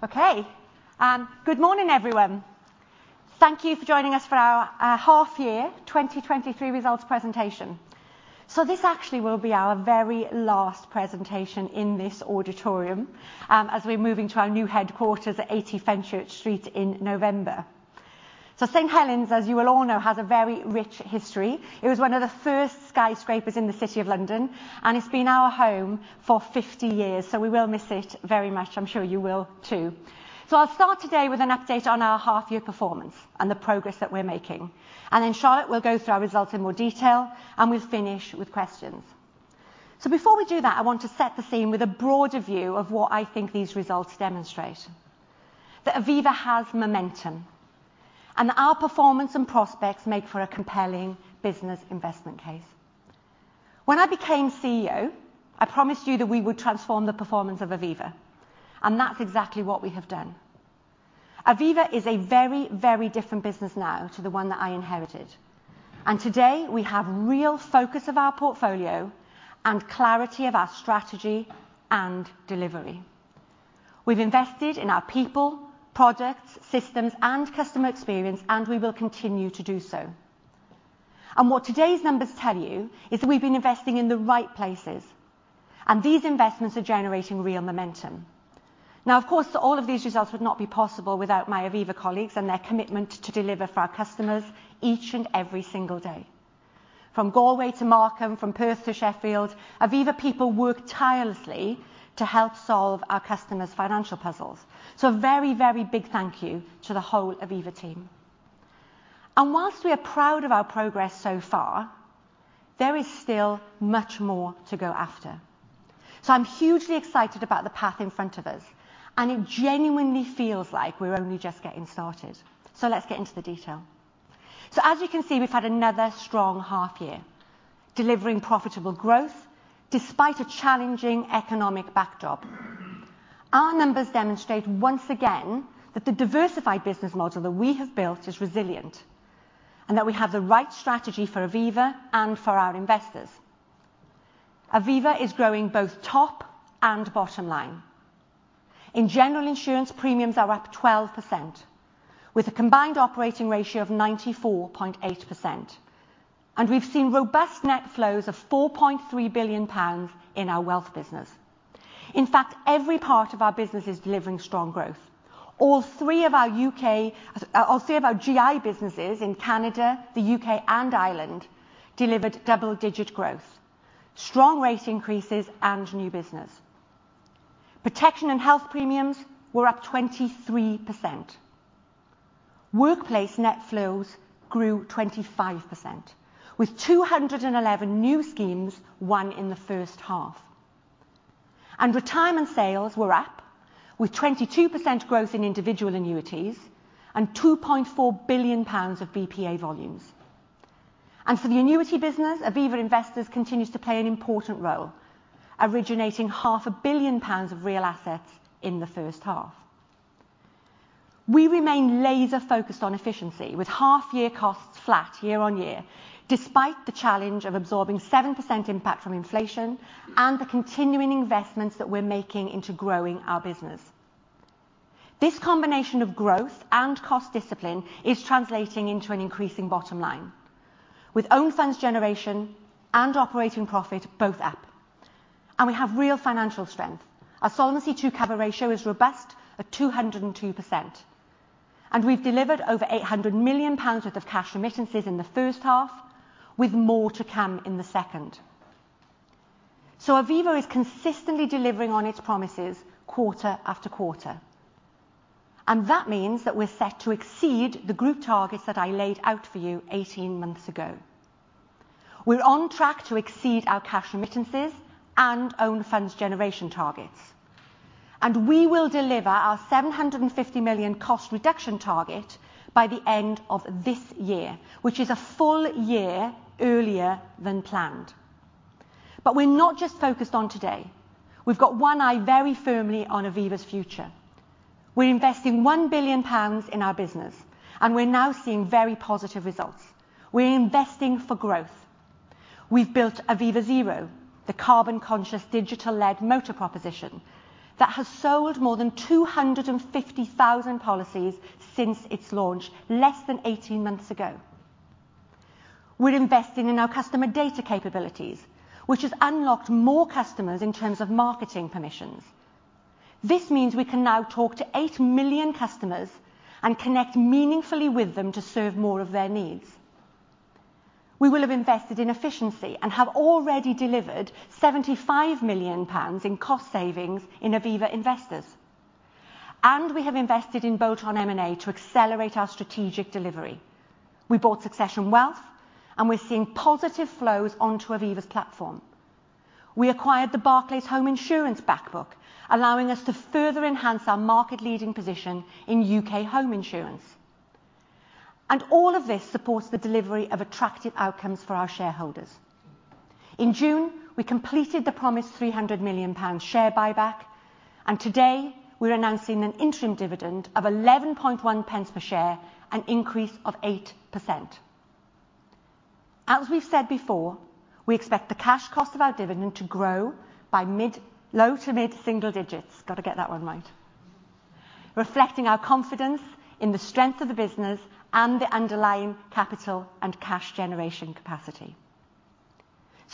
Okay, good morning, everyone. Thank you for joining us for our, our half year 2023 results presentation. This actually will be our very last presentation in this auditorium, as we're moving to our new headquarters at 80 Fenchurch Street in November. St. Helens, as you will all know, has a very rich history. It was one of the first skyscrapers in the City of London, and it's been our home for 50 years, so we will miss it very much. I'm sure you will too. I'll start today with an update on our half year performance and the progress that we're making, and then Charlotte will go through our results in more detail, and we'll finish with questions. Before we do that, I want to set the scene with a broader view of what I think these results demonstrate: that Aviva has momentum, and our performance and prospects make for a compelling business investment case. When I became CEO, I promised you that we would transform the performance of Aviva, and that's exactly what we have done. Aviva is a very, very different business now to the one that I inherited, and today we have real focus of our portfolio and clarity of our strategy and delivery. We've invested in our people, products, systems, and customer experience, and we will continue to do so. What today's numbers tell you is that we've been investing in the right places, and these investments are generating real momentum. Now, of course, all of these results would not be possible without my Aviva colleagues and their commitment to deliver for our customers each and every single day. From Galway to Markham, from Perth to Sheffield, Aviva people work tirelessly to help solve our customers' financial puzzles. A very, very big thank you to the whole Aviva team. Whilst we are proud of our progress so far, there is still much more to go after. I'm hugely excited about the path in front of us, and it genuinely feels like we're only just getting started. Let's get into the detail. As you can see, we've had another strong half year, delivering profitable growth despite a challenging economic backdrop. Our numbers demonstrate once again that the diversified business model that we have built is resilient, and that we have the right strategy for Aviva and for our investors. Aviva is growing both top and bottom line. In General Insurance premiums are up 12%, with a combined operating ratio of 94.8%, and we've seen robust net flows of 4.3 billion pounds in our wealth business. In fact, every part of our business is delivering strong growth. All three of our UK, all three of our GI businesses in Canada, the UK and Ireland, delivered double-digit growth, strong rate increases and new business. Protection and health premiums were up 23%. Workplace net flows grew 25%, with 211 new schemes won in the H1. Retirement sales were up, with 22% growth in individual annuities and 2.4 billion pounds of BPA volumes. For the annuity business, Aviva Investors continues to play an important role, originating 500 million pounds of real assets in the H1. We remain laser-focused on efficiency, with half year costs flat year on year, despite the challenge of absorbing 7% impact from inflation and the continuing investments that we're making into growing our business. This combination of growth and cost discipline is translating into an increasing bottom line, with own funds generation and operating profit both up. We have real financial strength. Our Solvency II cover ratio is robust at 202%, and we've delivered over 800 million pounds worth of cash remittances in the H1, with more to come in the second. Aviva is consistently delivering on its promises quarter after quarter, and that means that we're set to exceed the group targets that I laid out for you 18 months ago. We're on track to exceed our cash remittances and own funds generation targets, and we will deliver our 750 million cost reduction target by the end of this year, which is a full year earlier than planned. We're not just focused on today. We've got one eye very firmly on Aviva's future. We're investing 1 billion pounds in our business, and we're now seeing very positive results. We're investing for growth. We've built Aviva Zero, the carbon-conscious, digital-led motor proposition that has sold more than 250,000 policies since its launch less than 18 months ago. We're investing in our customer data capabilities, which has unlocked more customers in terms of marketing permissions. This means we can now talk to eight million customers and connect meaningfully with them to serve more of their needs. We will have invested in efficiency and have already delivered 75 million pounds in cost savings in Aviva Investors. We have invested in bolt-on M&A to accelerate our strategic delivery. We bought Succession Wealth, and we're seeing positive flows onto Aviva's platform. We acquired the Barclays Home Insurance back book, allowing us to further enhance our market-leading position in U.K. home insurance. All of this supports the delivery of attractive outcomes for our shareholders. In June, we completed the promised 300 million pounds share buyback, and today we're announcing an interim dividend of 11.1 pence per share, an increase of 8%. As we've said before, we expect the cash cost of our dividend to grow by mid, low to mid-single digits. Gotta get that one right. Reflecting our confidence in the strength of the business and the underlying capital and cash generation capacity.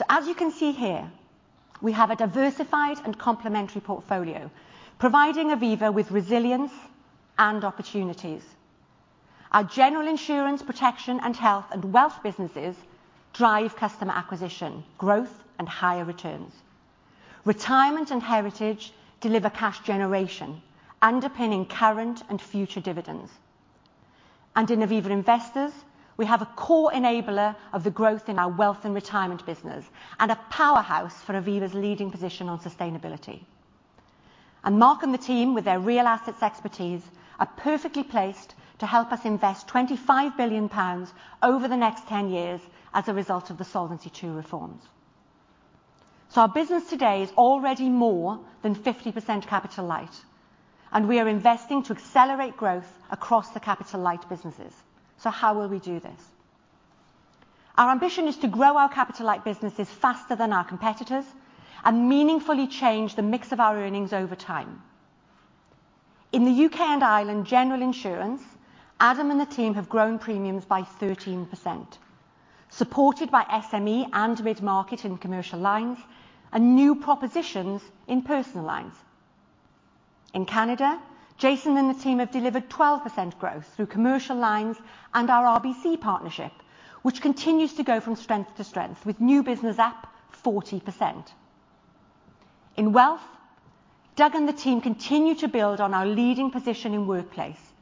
As you can see here, we have a diversified and complementary portfolio, providing Aviva with resilience and opportunities. Our general insurance, protection and health and wealth businesses drive customer acquisition, growth, and higher returns. Retirement and Heritage deliver cash generation, underpinning current and future dividends. In Aviva Investors, we have a core enabler of the growth in our wealth and retirement business, and a powerhouse for Aviva's leading position on sustainability. Mark and the team, with their real assets expertise, are perfectly placed to help us invest 25 billion pounds over the next 10 years as a result of the Solvency II reforms. Our business today is already more than 50% capital light, and we are investing to accelerate growth across the capital-light businesses. How will we do this? Our ambition is to grow our capital-light businesses faster than our competitors and meaningfully change the mix of our earnings over time. In the UK and Ireland, General Insurance, Adam and the team have grown premiums by 13%, supported by SME and mid-market in commercial lines and new propositions in personal lines. In Canada, Jason and the team have delivered 12% growth through commercial lines and our RBC partnership, which continues to go from strength to strength with new business up 40%. In Wealth, Doug and the team continue to build on our leading position in workplace,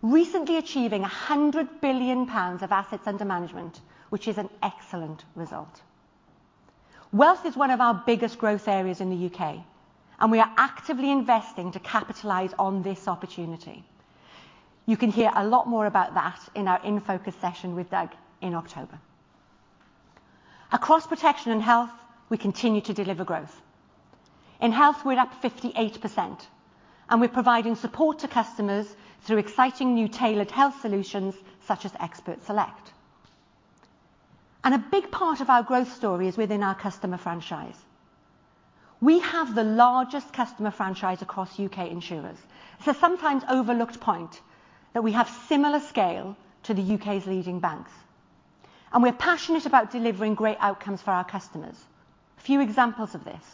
recently achieving 100 billion pounds of assets under management, which is an excellent result. Wealth is one of our biggest growth areas in the U.K., and we are actively investing to capitalize on this opportunity. You can hear a lot more about that in our In Focus session with Doug in October. Across Protection and Health, we continue to deliver growth. In Health, we're up 58%, and we're providing support to customers through exciting new tailored health solutions, such as Expert Select. A big part of our growth story is within our customer franchise. We have the largest customer franchise across U.K. insurers. It's a sometimes-overlooked point that we have similar scale to the U.K.'s leading banks, and we're passionate about delivering great outcomes for our customers. A few examples of this: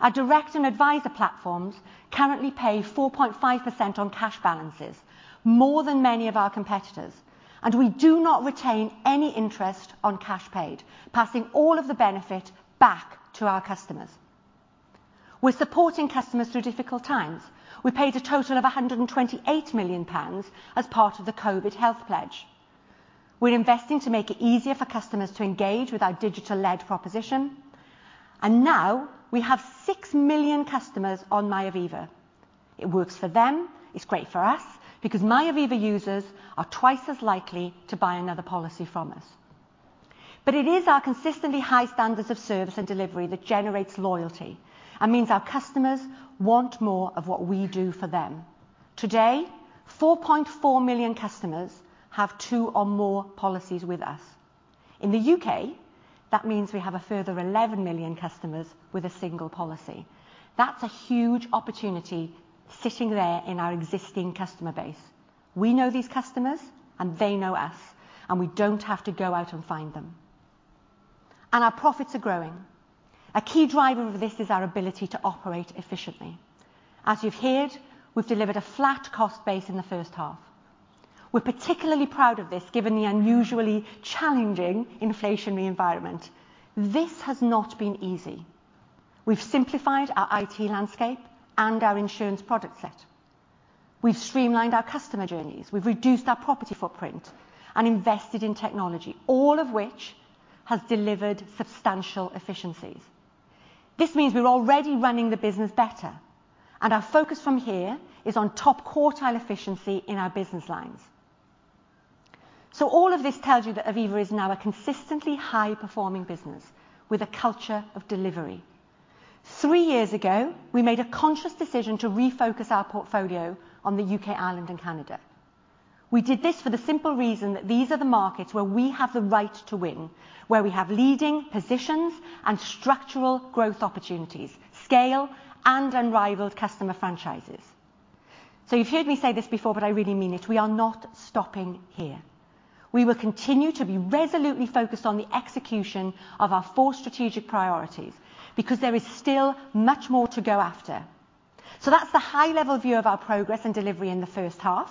Our direct and advisor platforms currently pay 4.5% on cash balances, more than many of our competitors. We do not retain any interest on cash paid, passing all of the benefit back to our customers. We're supporting customers through difficult times. We paid a total of 128 million pounds as part of the COVID-19 Pledge. We're investing to make it easier for customers to engage with our digital-led proposition. Now we have 6 million customers on MyAviva. It works for them, it's great for us, because MyAviva users are twice as likely to buy another policy from us. It is our consistently high standards of service and delivery that generates loyalty and means our customers want more of what we do for them. Today, 4.4 million customers have two or more policies with us. In the UK, that means we have a further 11 million customers with a single policy. That's a huge opportunity sitting there in our existing customer base. We know these customers, and they know us, and we don't have to go out and find them. Our profits are growing. A key driver of this is our ability to operate efficiently. As you've heard, we've delivered a flat cost base in the H1. We're particularly proud of this, given the unusually challenging inflationary environment. This has not been easy. We've simplified our IT landscape and our insurance product set. We've streamlined our customer journeys. We've reduced our property footprint and invested in technology, all of which has delivered substantial efficiencies. This means we're already running the business better, and our focus from here is on top quartile efficiency in our business lines. All of this tells you that Aviva is now a consistently high-performing business with a culture of delivery. Three years ago, we made a conscious decision to refocus our portfolio on the UK, Ireland, and Canada. We did this for the simple reason that these are the markets where we have the right to win, where we have leading positions and structural growth opportunities, scale and unrivaled customer franchises. You've heard me say this before, but I really mean it, we are not stopping here. We will continue to be resolutely focused on the execution of our four strategic priorities because there is still much more to go after. That's the high-level view of our progress and delivery in the H1.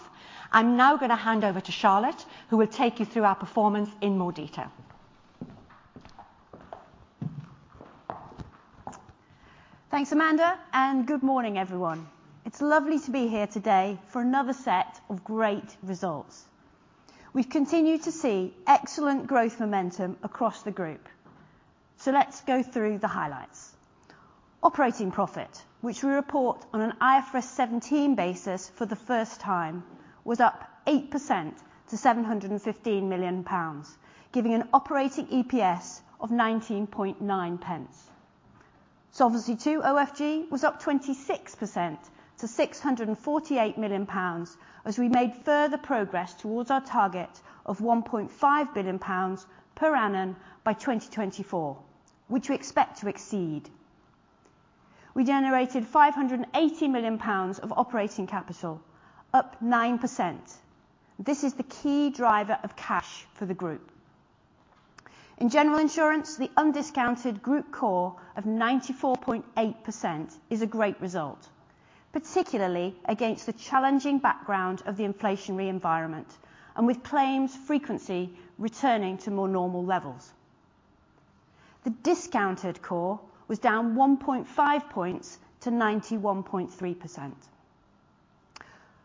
I'm now going to hand over to Charlotte, who will take you through our performance in more detail. Thanks, Amanda. Good morning, everyone. It's lovely to be here today for another set of great results. We've continued to see excellent growth momentum across the group. Let's go through the highlights. Operating profit, which we report on an IFRS 17 basis for the first time, was up 8% to 715 million pounds, giving an Operating EPS of 19.9 pence. Solvency II OFG was up 26% to 648 million pounds, as we made further progress towards our target of 1.5 billion pounds per annum by 2024, which we expect to exceed. We generated 580 million pounds of operating capital, up 9%. This is the key driver of cash for the group. In general insurance, the undiscounted Group COR of 94.8% is a great result, particularly against the challenging background of the inflationary environment and with claims frequency returning to more normal levels. The discounted COR was down 1.5 points to 91.3%.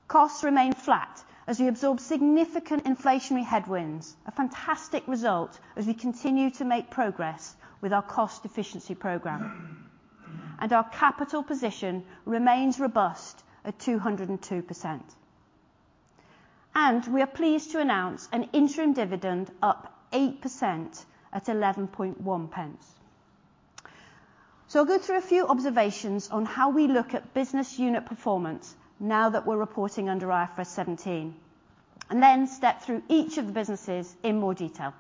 Costs remained flat as we absorbed significant inflationary headwinds, a fantastic result as we continue to make progress with our cost efficiency program. Our capital position remains robust at 202%. We are pleased to announce an interim dividend up 8% at 0.111. I'll go through a few observations on how we look at business unit performance now that we're reporting under IFRS 17, then step through each of the businesses in more detail.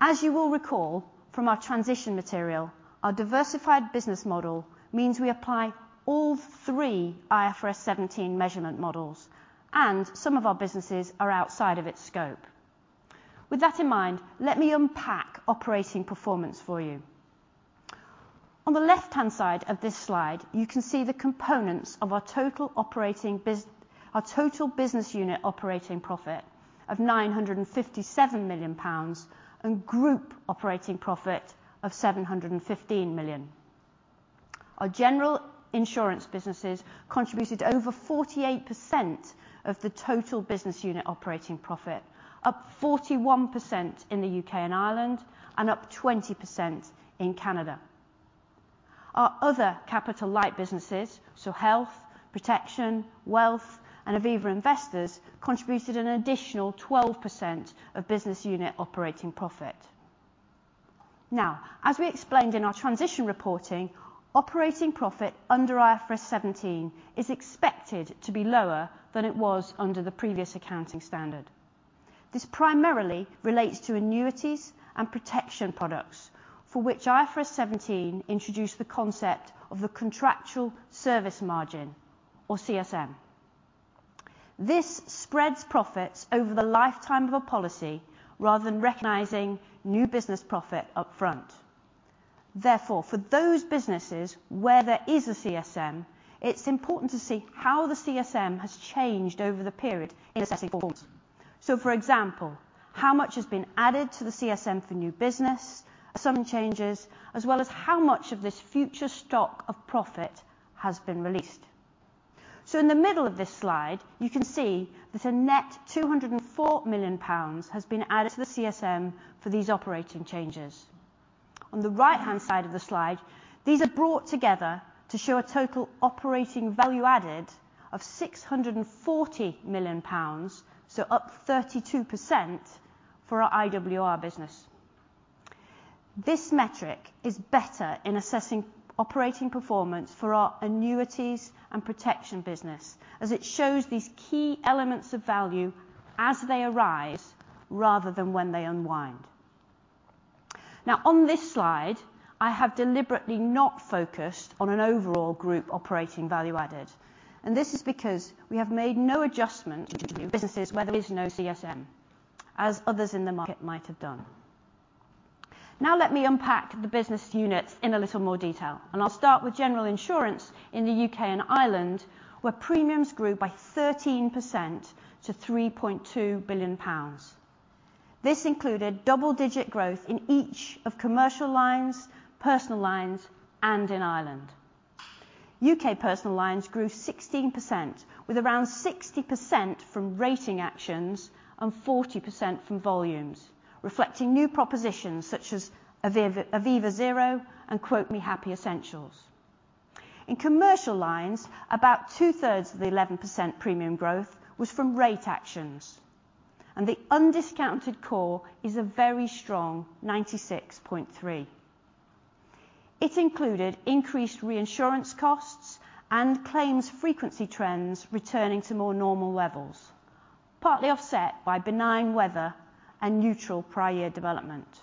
As you will recall from our transition material, our diversified business model means we apply all three IFRS 17 measurement models, and some of our businesses are outside of its scope. With that in mind, let me unpack operating performance for you. On the left-hand side of this slide, you can see the components of our total business unit operating profit of 957 million pounds, and group operating profit of 715 million. Our general insurance businesses contributed over 48% of the total business unit operating profit, up 41% in the U.K. and Ireland, and up 20% in Canada. Our other capital-light businesses, Health, Protection, Wealth, and Aviva Investors, contributed an additional 12% of business unit operating profit. As we explained in our transition reporting, operating profit under IFRS 17 is expected to be lower than it was under the previous accounting standard. This primarily relates to annuities and protection products, for which IFRS 17 introduced the concept of the contractual service margin, or CSM. This spreads profits over the lifetime of a policy rather than recognizing new business profit upfront. For those businesses where there is a CSM, it's important to see how the CSM has changed over the period in assessing performance. For example, how much has been added to the CSM for new business, assumption changes, as well as how much of this future stock of profit has been released? In the middle of this slide, you can see that a net 204 million pounds has been added to the CSM for these operating changes. On the right-hand side of the slide, these are brought together to show a total operating value added of 640 million pounds, so up 32% for our IWR business. This metric is better in assessing operating performance for our annuities and protection business, as it shows these key elements of value as they arise rather than when they unwind. Now, on this slide, I have deliberately not focused on an overall group operating value added. This is because we have made no adjustment to the businesses where there is no CSM, as others in the market might have done. Now, let me unpack the business units in a little more detail. I'll start with General Insurance in the UK and Ireland, where premiums grew by 13% to 3.2 billion pounds. This included double-digit growth in each of commercial lines, personal lines, and in Ireland. UK personal lines grew 16%, with around 60% from rating actions and 40% from volumes, reflecting new propositions such as Aviva, Aviva Zero and Quotemehappy.com Essentials. In commercial lines, about two-thirds of the 11% premium growth was from rate actions, and the undiscounted Group COR is a very strong 96.3. It included increased reinsurance costs and claims frequency trends returning to more normal levels, partly offset by benign weather and neutral prior year development.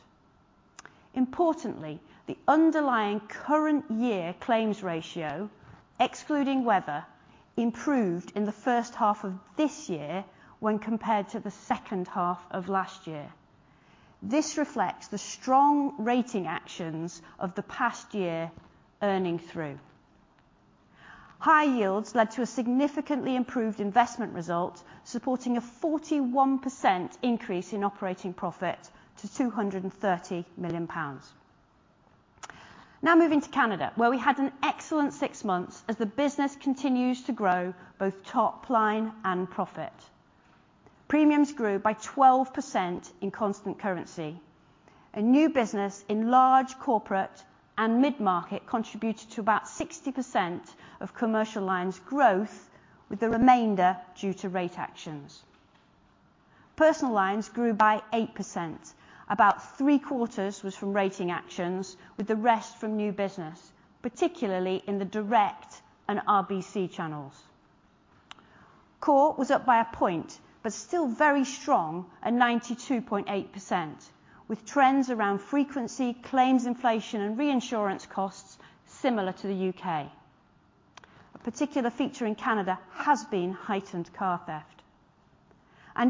Importantly, the underlying current year claims ratio, excluding weather, improved in the H1 of this year when compared to the H2 of last year. This reflects the strong rating actions of the past year earning through. High yields led to a significantly improved investment result, supporting a 41% increase in operating profit to 230 million pounds. Moving to Canada, where we had an excellent six months as the business continues to grow, both top line and profit. Premiums grew by 12% in constant currency, and new business in large corporate and mid-market contributed to about 60% of commercial lines growth, with the remainder due to rate actions. Personal lines grew by 8%. About three quarters was from rating actions, with the rest from new business, particularly in the direct and RBC channels. Core was up by 1 point, but still very strong at 92.8%, with trends around frequency, claims inflation and reinsurance costs similar to the UK. A particular feature in Canada has been heightened car theft.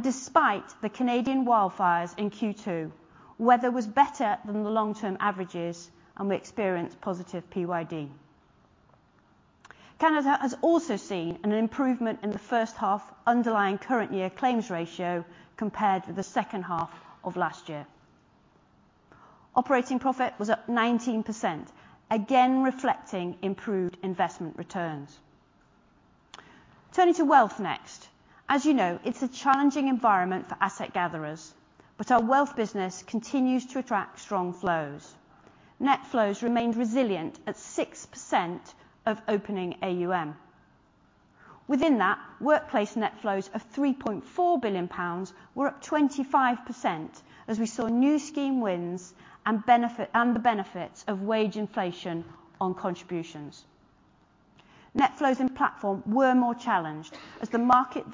Despite the Canadian wildfires in Q2, weather was better than the long-term averages, and we experienced positive PYD. Canada has also seen an improvement in the H1 underlying current year claims ratio compared to the H2 of last year. Operating profit was up 19%, again, reflecting improved investment returns. Turning to wealth next. As you know, it's a challenging environment for asset gatherers, but our wealth business continues to attract strong flows. Net flows remained resilient at 6% of opening AUM. Within that, workplace net flows of 3.4 billion pounds were up 25% as we saw new scheme wins and benefit, and the benefits of wage inflation on contributions. Net flows in platform were more challenged as the market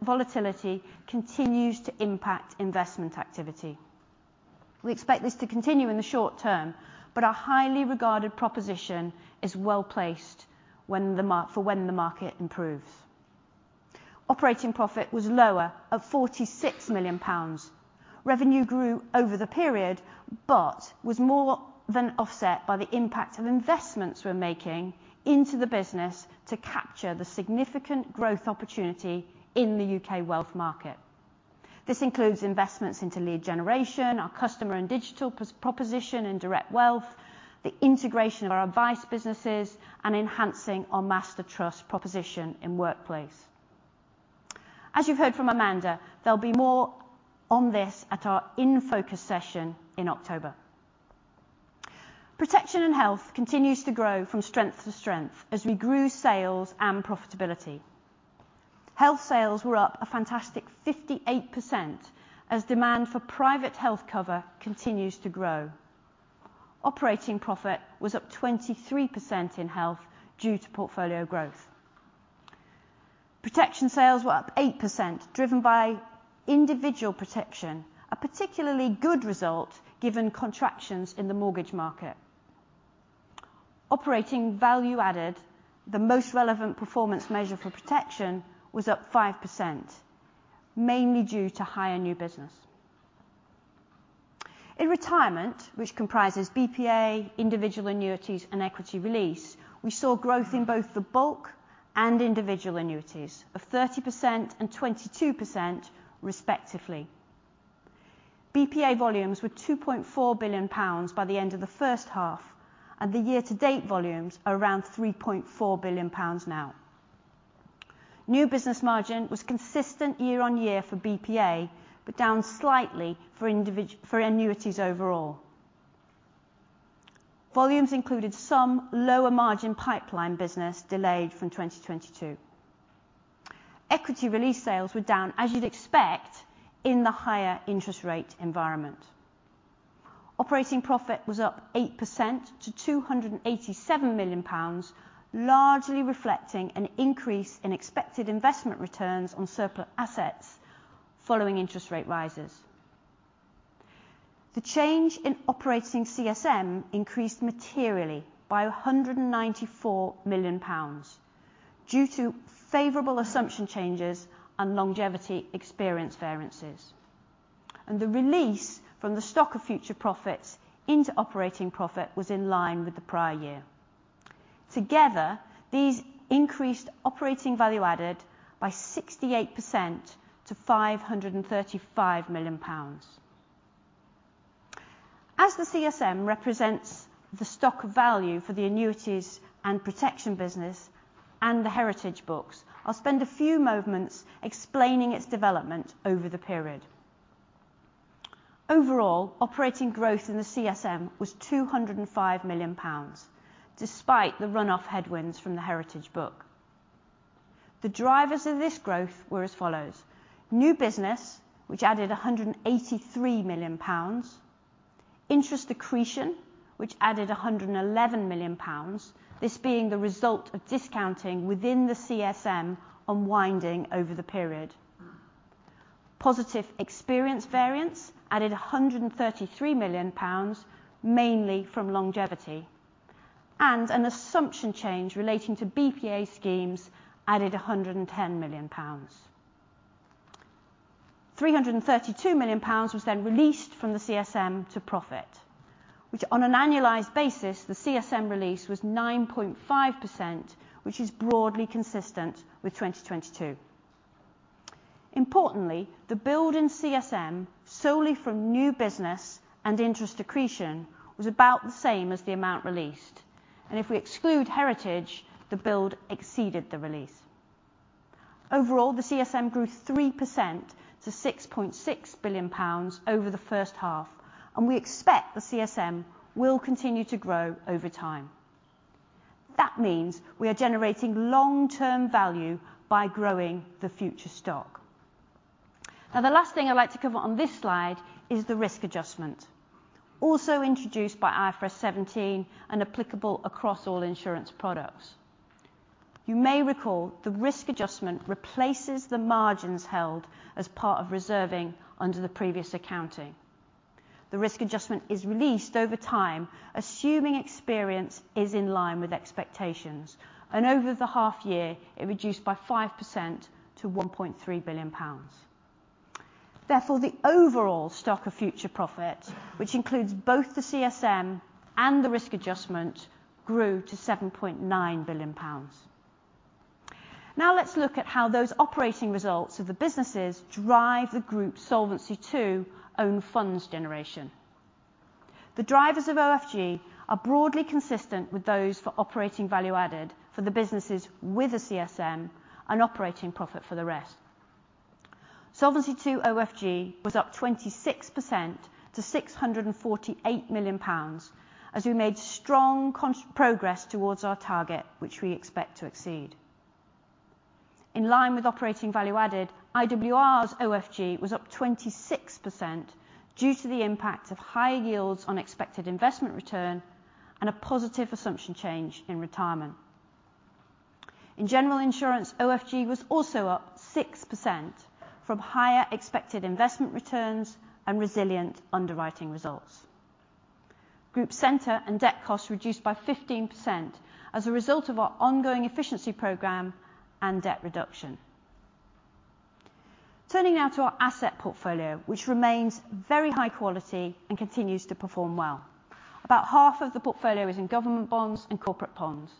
volatility continues to impact investment activity. We expect this to continue in the short term, but our highly regarded proposition is well-placed for when the market improves. Operating profit was lower, at 46 million pounds. Revenue grew over the period, but was more than offset by the impact of investments we're making into the business to capture the significant growth opportunity in the UK wealth market. This includes investments into lead generation, our customer and digital proposition and Direct Wealth, the integration of our advice businesses, and enhancing our master trust proposition in workplace. As you've heard from Amanda, there'll be more on this at our In Focus session in October. Protection and health continues to grow from strength to strength as we grew sales and profitability. Health sales were up a fantastic 58%, as demand for private health cover continues to grow. Operating profit was up 23% in health due to portfolio growth. Protection sales were up 8%, driven by individual protection, a particularly good result given contractions in the mortgage market. Operating value added, the most relevant performance measure for protection, was up 5%, mainly due to higher new business. In retirement, which comprises BPA, individual annuities, and equity release, we saw growth in both the bulk and individual annuities of 30% and 22% respectively. BPA volumes were 2.4 billion pounds by the end of the H1, and the year-to-date volumes are around 3.4 billion pounds now. New business margin was consistent year on year for BPA, but down slightly for annuities overall. Volumes included some lower margin pipeline business delayed from 2022. Equity release sales were down, as you'd expect, in the higher interest rate environment. Operating profit was up 8% to 287 million pounds, largely reflecting an increase in expected investment returns on surplus assets following interest rate rises. The change in operating CSM increased materially by 194 million pounds due to favorable assumption changes and longevity experience variances. The release from the stock of future profits into operating profit was in line with the prior year. Together, these increased operating value added by 68% to 535 million pounds. As the CSM represents the stock value for the annuities and protection business and the heritage books, I'll spend a few moments explaining its development over the period. Overall, operating growth in the CSM was 205 million pounds, despite the run-off headwinds from the heritage book. The drivers of this growth were as follows: new business, which added 183 million pounds, interest accretion, which added 111 million pounds, this being the result of discounting within the CSM unwinding over the period. Positive experience variance added 133 million pounds, mainly from longevity. An assumption change relating to BPA schemes added 110 million pounds. 332 million pounds was released from the CSM to profit, which on an annualized basis, the CSM release was 9.5%, which is broadly consistent with 2022. Importantly, the build in CSM, solely from new business and interest accretion, was about the same as the amount released. If we exclude Heritage, the build exceeded the release. Overall, the CSM grew 3% to 6.6 billion pounds over the H1. We expect the CSM will continue to grow over time. That means we are generating long-term value by growing the future stock. The last thing I'd like to cover on this slide is the risk adjustment, also introduced by IFRS 17 and applicable across all insurance products. You may recall the risk adjustment replaces the margins held as part of reserving under the previous accounting. The risk adjustment is released over time, assuming experience is in line with expectations, and over the half year, it reduced by 5% to 1.3 billion pounds. Therefore, the overall stock of future profit, which includes both the CSM and the risk adjustment, grew to 7.9 billion pounds. Now, let's look at how those operating results of the businesses drive the group's Solvency II own funds generation. The drivers of OFG are broadly consistent with those for operating value added for the businesses with a CSM and operating profit for the rest. Solvency II OFG was up 26% to 648 million pounds, as we made strong progress towards our target, which we expect to exceed. In line with operating value added, IWR's OFG was up 26% due to the impact of higher yields on expected investment return and a positive assumption change in retirement. In General Insurance, OFG was also up 6% from higher expected investment returns and resilient underwriting results. Group center and debt costs reduced by 15% as a result of our ongoing efficiency program and debt reduction. Turning now to our asset portfolio, which remains very high quality and continues to perform well. About half of the portfolio is in government bonds and corporate bonds,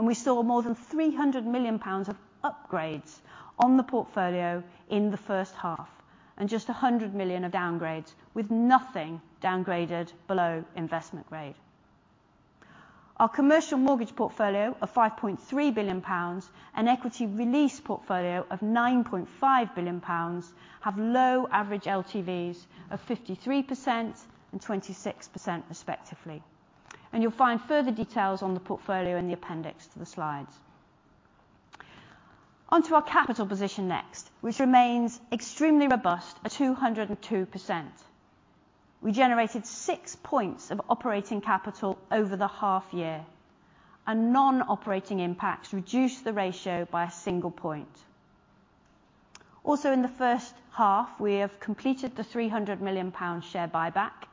we saw more than 300 million pounds of upgrades on the portfolio in the H1, and just 100 million of downgrades, with nothing downgraded below investment grade. Our commercial mortgage portfolio of 5.3 billion pounds, and equity release portfolio of 9.5 billion pounds, have low average LTVs of 53% and 26% respectively. You'll find further details on the portfolio in the appendix to the slides. On to our capital position next, which remains extremely robust at 202%. We generated six points of operating capital over the half year, and non-operating impacts reduced the ratio by a single point. Also, in the H1, we have completed the 300 million pounds share buyback,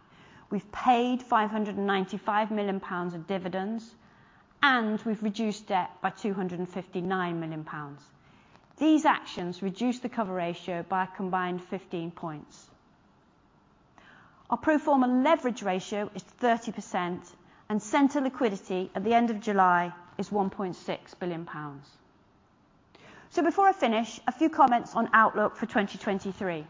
we've paid 595 million pounds of dividends, and we've reduced debt by 259 million pounds. These actions reduced the cover ratio by a combined 15 points. Our pro forma leverage ratio is 30%, and center liquidity at the end of July is 1.6 billion pounds. Before I finish, a few comments on outlook for 2023.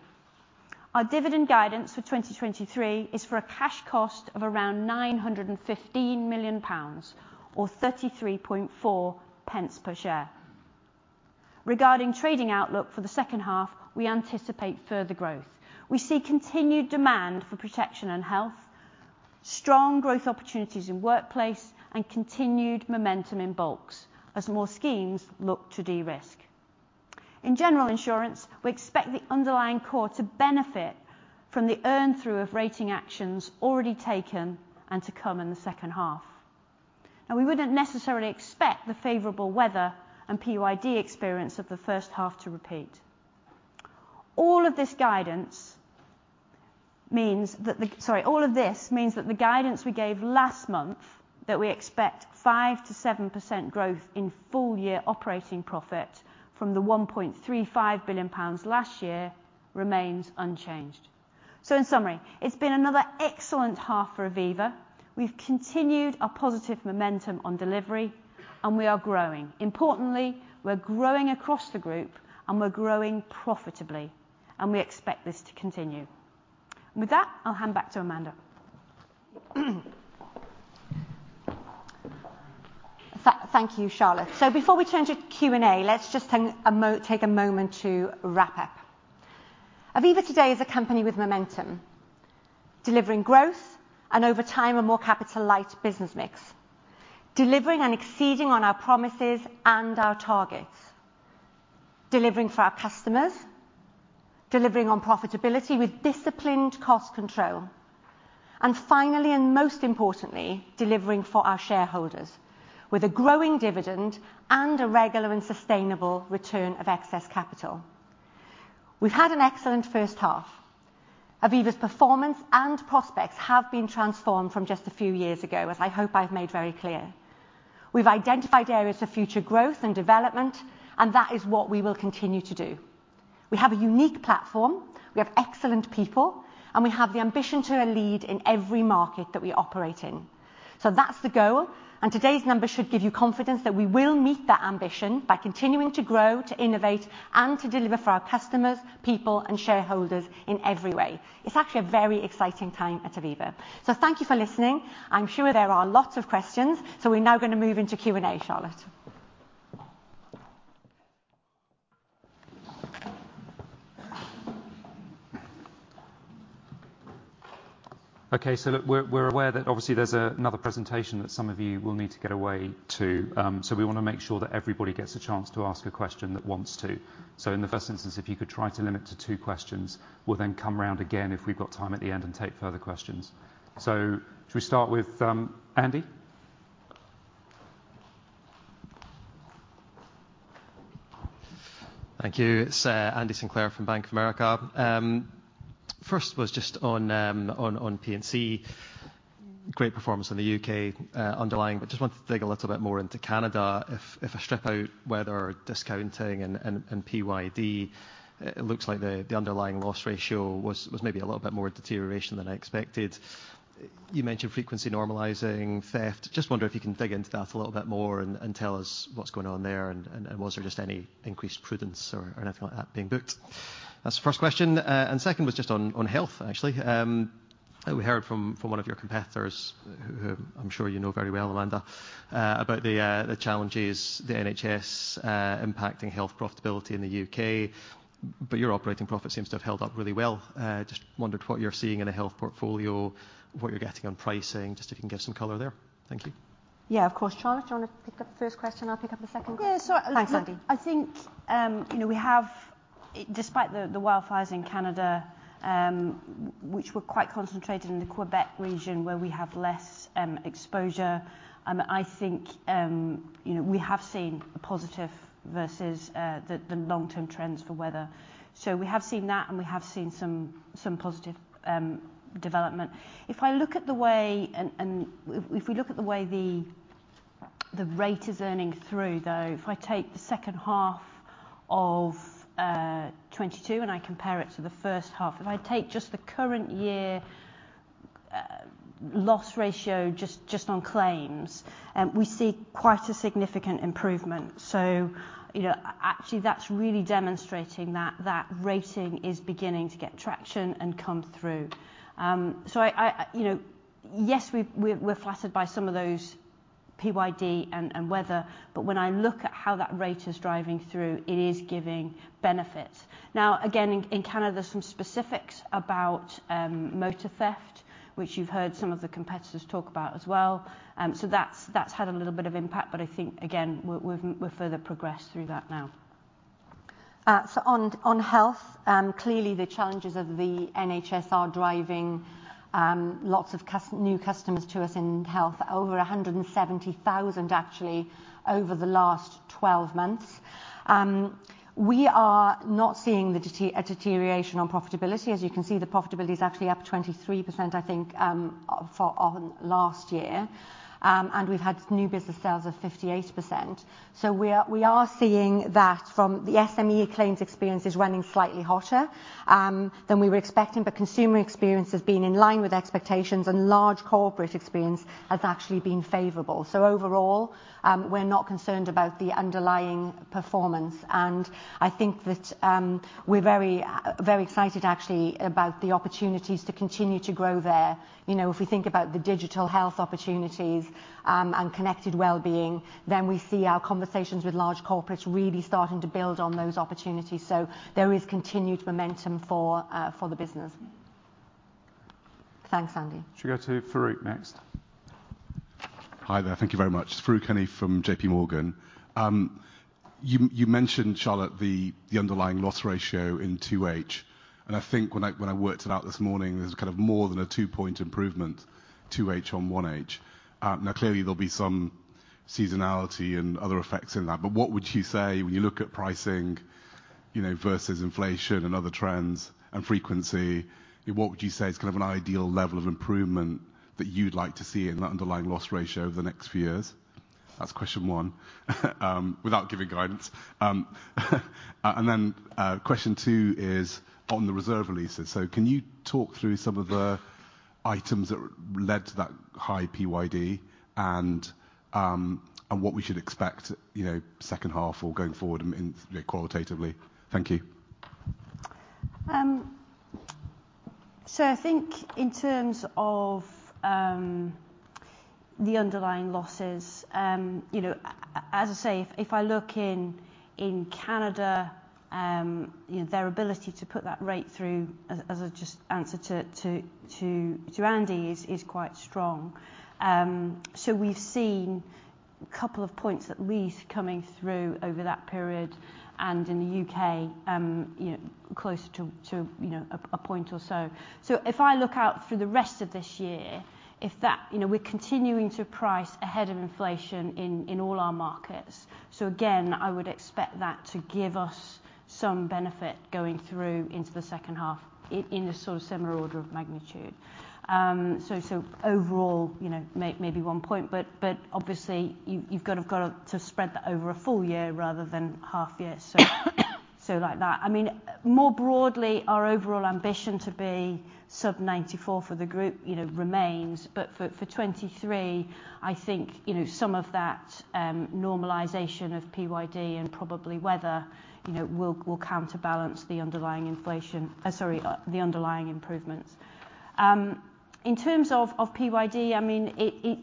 Our dividend guidance for 2023 is for a cash cost of around 915 million pounds or 0.334 per share. Regarding trading outlook for the H2, we anticipate further growth. We see continued demand for protection and health, strong growth opportunities in workplace, and continued momentum in bulks as more schemes look to de-risk. In General Insurance, we expect the underlying COR to benefit from the earn-through of rating actions already taken and to come in the H2. Now, we wouldn't necessarily expect the favorable weather and PYD experience of the H1 to repeat. All of this means that the guidance we gave last month, that we expect 5 to 7% growth in full year operating profit from 1.35 billion pounds last year, remains unchanged. In summary, it's been another excellent half for Aviva. We've continued our positive momentum on delivery, and we are growing. Importantly, we're growing across the group, and we're growing profitably, and we expect this to continue. With that, I'll hand back to Amanda. Thank you, Charlotte. Before we turn to Q&A, let's just take a moment to wrap up. Aviva today is a company with momentum, delivering growth, and over time, a more capital light business mix. Delivering and exceeding on our promises and our targets. Delivering for our customers, delivering on profitability with disciplined cost control, and finally, and most importantly, delivering for our shareholders with a growing dividend and a regular and sustainable return of excess capital. We've had an excellent H1. Aviva's performance and prospects have been transformed from just a few years ago, as I hope I've made very clear. We've identified areas for future growth and development, and that is what we will continue to do. We have a unique platform, we have excellent people, and we have the ambition to lead in every market that we operate in. That's the goal, and today's numbers should give you confidence that we will meet that ambition by continuing to grow, to innovate, and to deliver for our customers, people, and shareholders in every way. It's actually a very exciting time at Aviva. Thank you for listening. I'm sure there are lots of questions, so we're now going to move into Q&A, Charlotte. Okay, look, we're, we're aware that obviously there's another presentation that some of you will need to get away to. We want to make sure that everybody gets a chance to ask a question that wants to. In the first instance, if you could try to limit to two questions, we'll then come round again if we've got time at the end and take further questions. Should we start with, Andy? Thank you. It's Andy Sinclair from Bank of America. First was just on, on, on P&C. Great performance in the UK, underlying, but just wanted to dig a little bit more into Canada. If, if I strip out weather, discounting, and, and, and PYD, it looks like the, the underlying loss ratio was, was maybe a little bit more deterioration than I expected. You mentioned frequency normalizing, theft. Just wonder if you can dig into that a little bit more and, and tell us what's going on there, and, and was there just any increased prudence or, or anything like that being booked? That's the first question. Second was just on, on health, actually. We heard from, from one of your competitors, who, who I'm sure you know very well, Amanda, about the, the challenges, the NHS, impacting health profitability in the UK. Your operating profit seems to have held up really well. Just wondered what you're seeing in a health portfolio, what you're getting on pricing, just if you can give some color there. Thank you. Yeah, of course. Charlotte, do you want to pick up the first question, I'll pick up the second question? Yeah. Thanks, Andy. I think, you know, we have, despite the, the wildfires in Canada, which were quite concentrated in the Quebec region, where we have less exposure, I think, you know, we have seen a positive versus the, the long-term trends for weather. We have seen that, and we have seen some, some positive development. If I look at the way and if we look at the way the, the rate is earning through, though, if I take the H2 of 2022 and I compare it to the H1. If I take just the current year loss ratio, just, just on claims, we see quite a significant improvement. You know, actually, that's really demonstrating that, that rating is beginning to get traction and come through. I, you know, yes, we've-- we're, we're flattered by some of those PYD and, and weather, but when I look at how that rate is driving through, it is giving benefits. Now, again, in, in Canada, there's some specifics about motor theft, which you've heard some of the competitors talk about as well. That's, that's had a little bit of impact, but I think, again, we're, we've, we've further progressed through that now. On, on health, clearly the challenges of the NHS are driving lots of new customers to us in health. Over 170,000, actually, over the last 12 months. We are not seeing a deterioration on profitability. As you can see, the profitability is actually up 23%, I think, for on last year. We've had new business sales of 58%. We are seeing that from the SME claims experience is running slightly hotter than we were expecting, but consumer experience has been in line with expectations, and large corporate experience has actually been favorable. Overall, we're not concerned about the underlying performance, and I think that we're very, very excited actually, about the opportunities to continue to grow there. You know, if we think about the digital health opportunities, and connected well-being, then we see our conversations with large corporates really starting to build on those opportunities. There is continued momentum for, for the business. Thanks, Andy. Should we go to Farooq next? Hi there. Thank you very much. Farooq Hanif from JPMorgan. You, you mentioned, Charlotte, the, the underlying loss ratio in 2H, and I think when I, when I worked it out this morning, there's kind of more than a 2-point improvement, 2H on 1H. Now, clearly, there'll be some seasonality and other effects in that, but what would you say when you look at pricing, you know, versus inflation and other trends and frequency, what would you say is kind of an ideal level of improvement that you'd like to see in that underlying loss ratio over the next few years? That's question one, without giving guidance. Then, question two is on the reserve releases. Can you talk through some of the items that led to that high PYD and what we should expect, you know, H2 or going forward, qualitatively? Thank you. I think in terms of the underlying losses, you know, as I say, if I look in Canada, you know, their ability to put that rate through as a just answer to Andy is quite strong. We've seen a couple of points at least coming through over that period, and in the UK, you know, closer to 1 point or so. If I look out through the rest of this year, if that. You know, we're continuing to price ahead of inflation in all our markets. Again, I would expect that to give us some benefit going through into the H2 in a sort of similar order of magnitude. Overall, you know, maybe one point, but, but obviously you've gotta spread that over a full year rather than half year. Like that. I mean, more broadly, our overall ambition to be sub 94 for the group, you know, remains. For 2023, I think, you know, some of that, normalization of PYD and probably weather, you know, will, will counterbalance the underlying inflation. Sorry, the underlying improvements. In terms of PYD, I mean,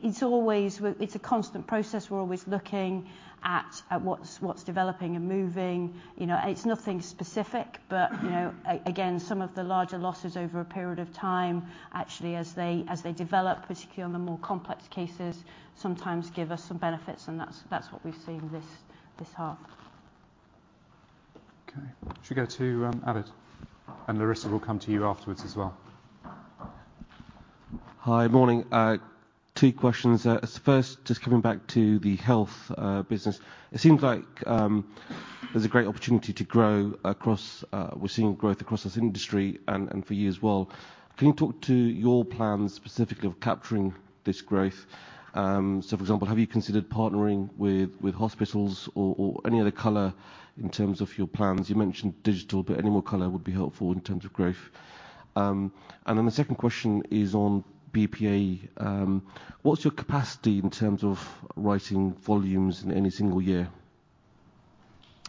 it's always it's a constant process. We're always looking at, at what's, what's developing and moving. You know, it's nothing specific, but, you know, again, some of the larger losses over a period of time, actually, as they develop, particularly on the more complex cases, sometimes give us some benefits, and that's what we've seen this, this half. Okay. Should we go to Adit? Larissa, we'll come to you afterwards as well. Hi, morning. 2 questions. First, just coming back to the health business. It seems like there's a great opportunity to grow across. We're seeing growth across this industry and for you as well. Can you talk to your plans specifically of capturing this growth? For example, have you considered partnering with hospitals or any other color in terms of your plans? You mentioned digital, but any more color would be helpful in terms of growth. The second question is on BPA. What's your capacity in terms of writing volumes in any single year?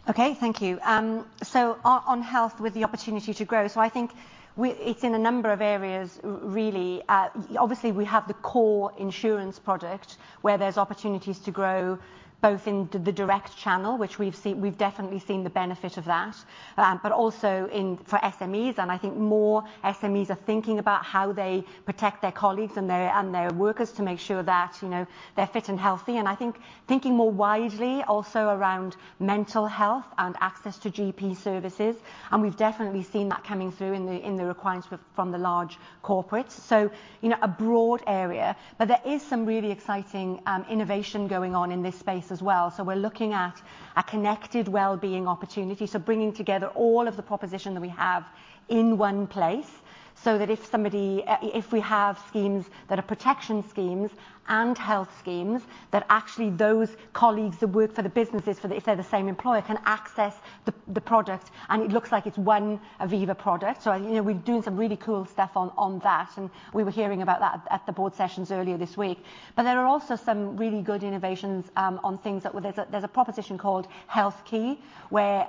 Okay, thank you. On health, with the opportunity to grow. I think it's in a number of areas really. Obviously, we have the core insurance product, where there's opportunities to grow, both in the direct channel, which we've definitely seen the benefit of that. Also for SMEs, and I think more SMEs are thinking about how they protect their colleagues and their workers to make sure that, you know, they're fit and healthy. I think thinking more widely, also around mental health and access to GP services, and we've definitely seen that coming through in the requirements from the large corporates. You know, a broad area. There is some really exciting innovation going on in this space as well. We're looking at a connected well-being opportunity. Bringing together all of the proposition that we have in one place, so that if somebody, If we have schemes that are protection schemes and health schemes, that actually those colleagues that work for the businesses, for the, if they're the same employer, can access the, the product, and it looks like it's one Aviva product. You know, we're doing some really cool stuff on, on that, and we were hearing about that at the board sessions earlier this week. There are also some really good innovations on things that There's a, there's a proposition called Health Essentials, where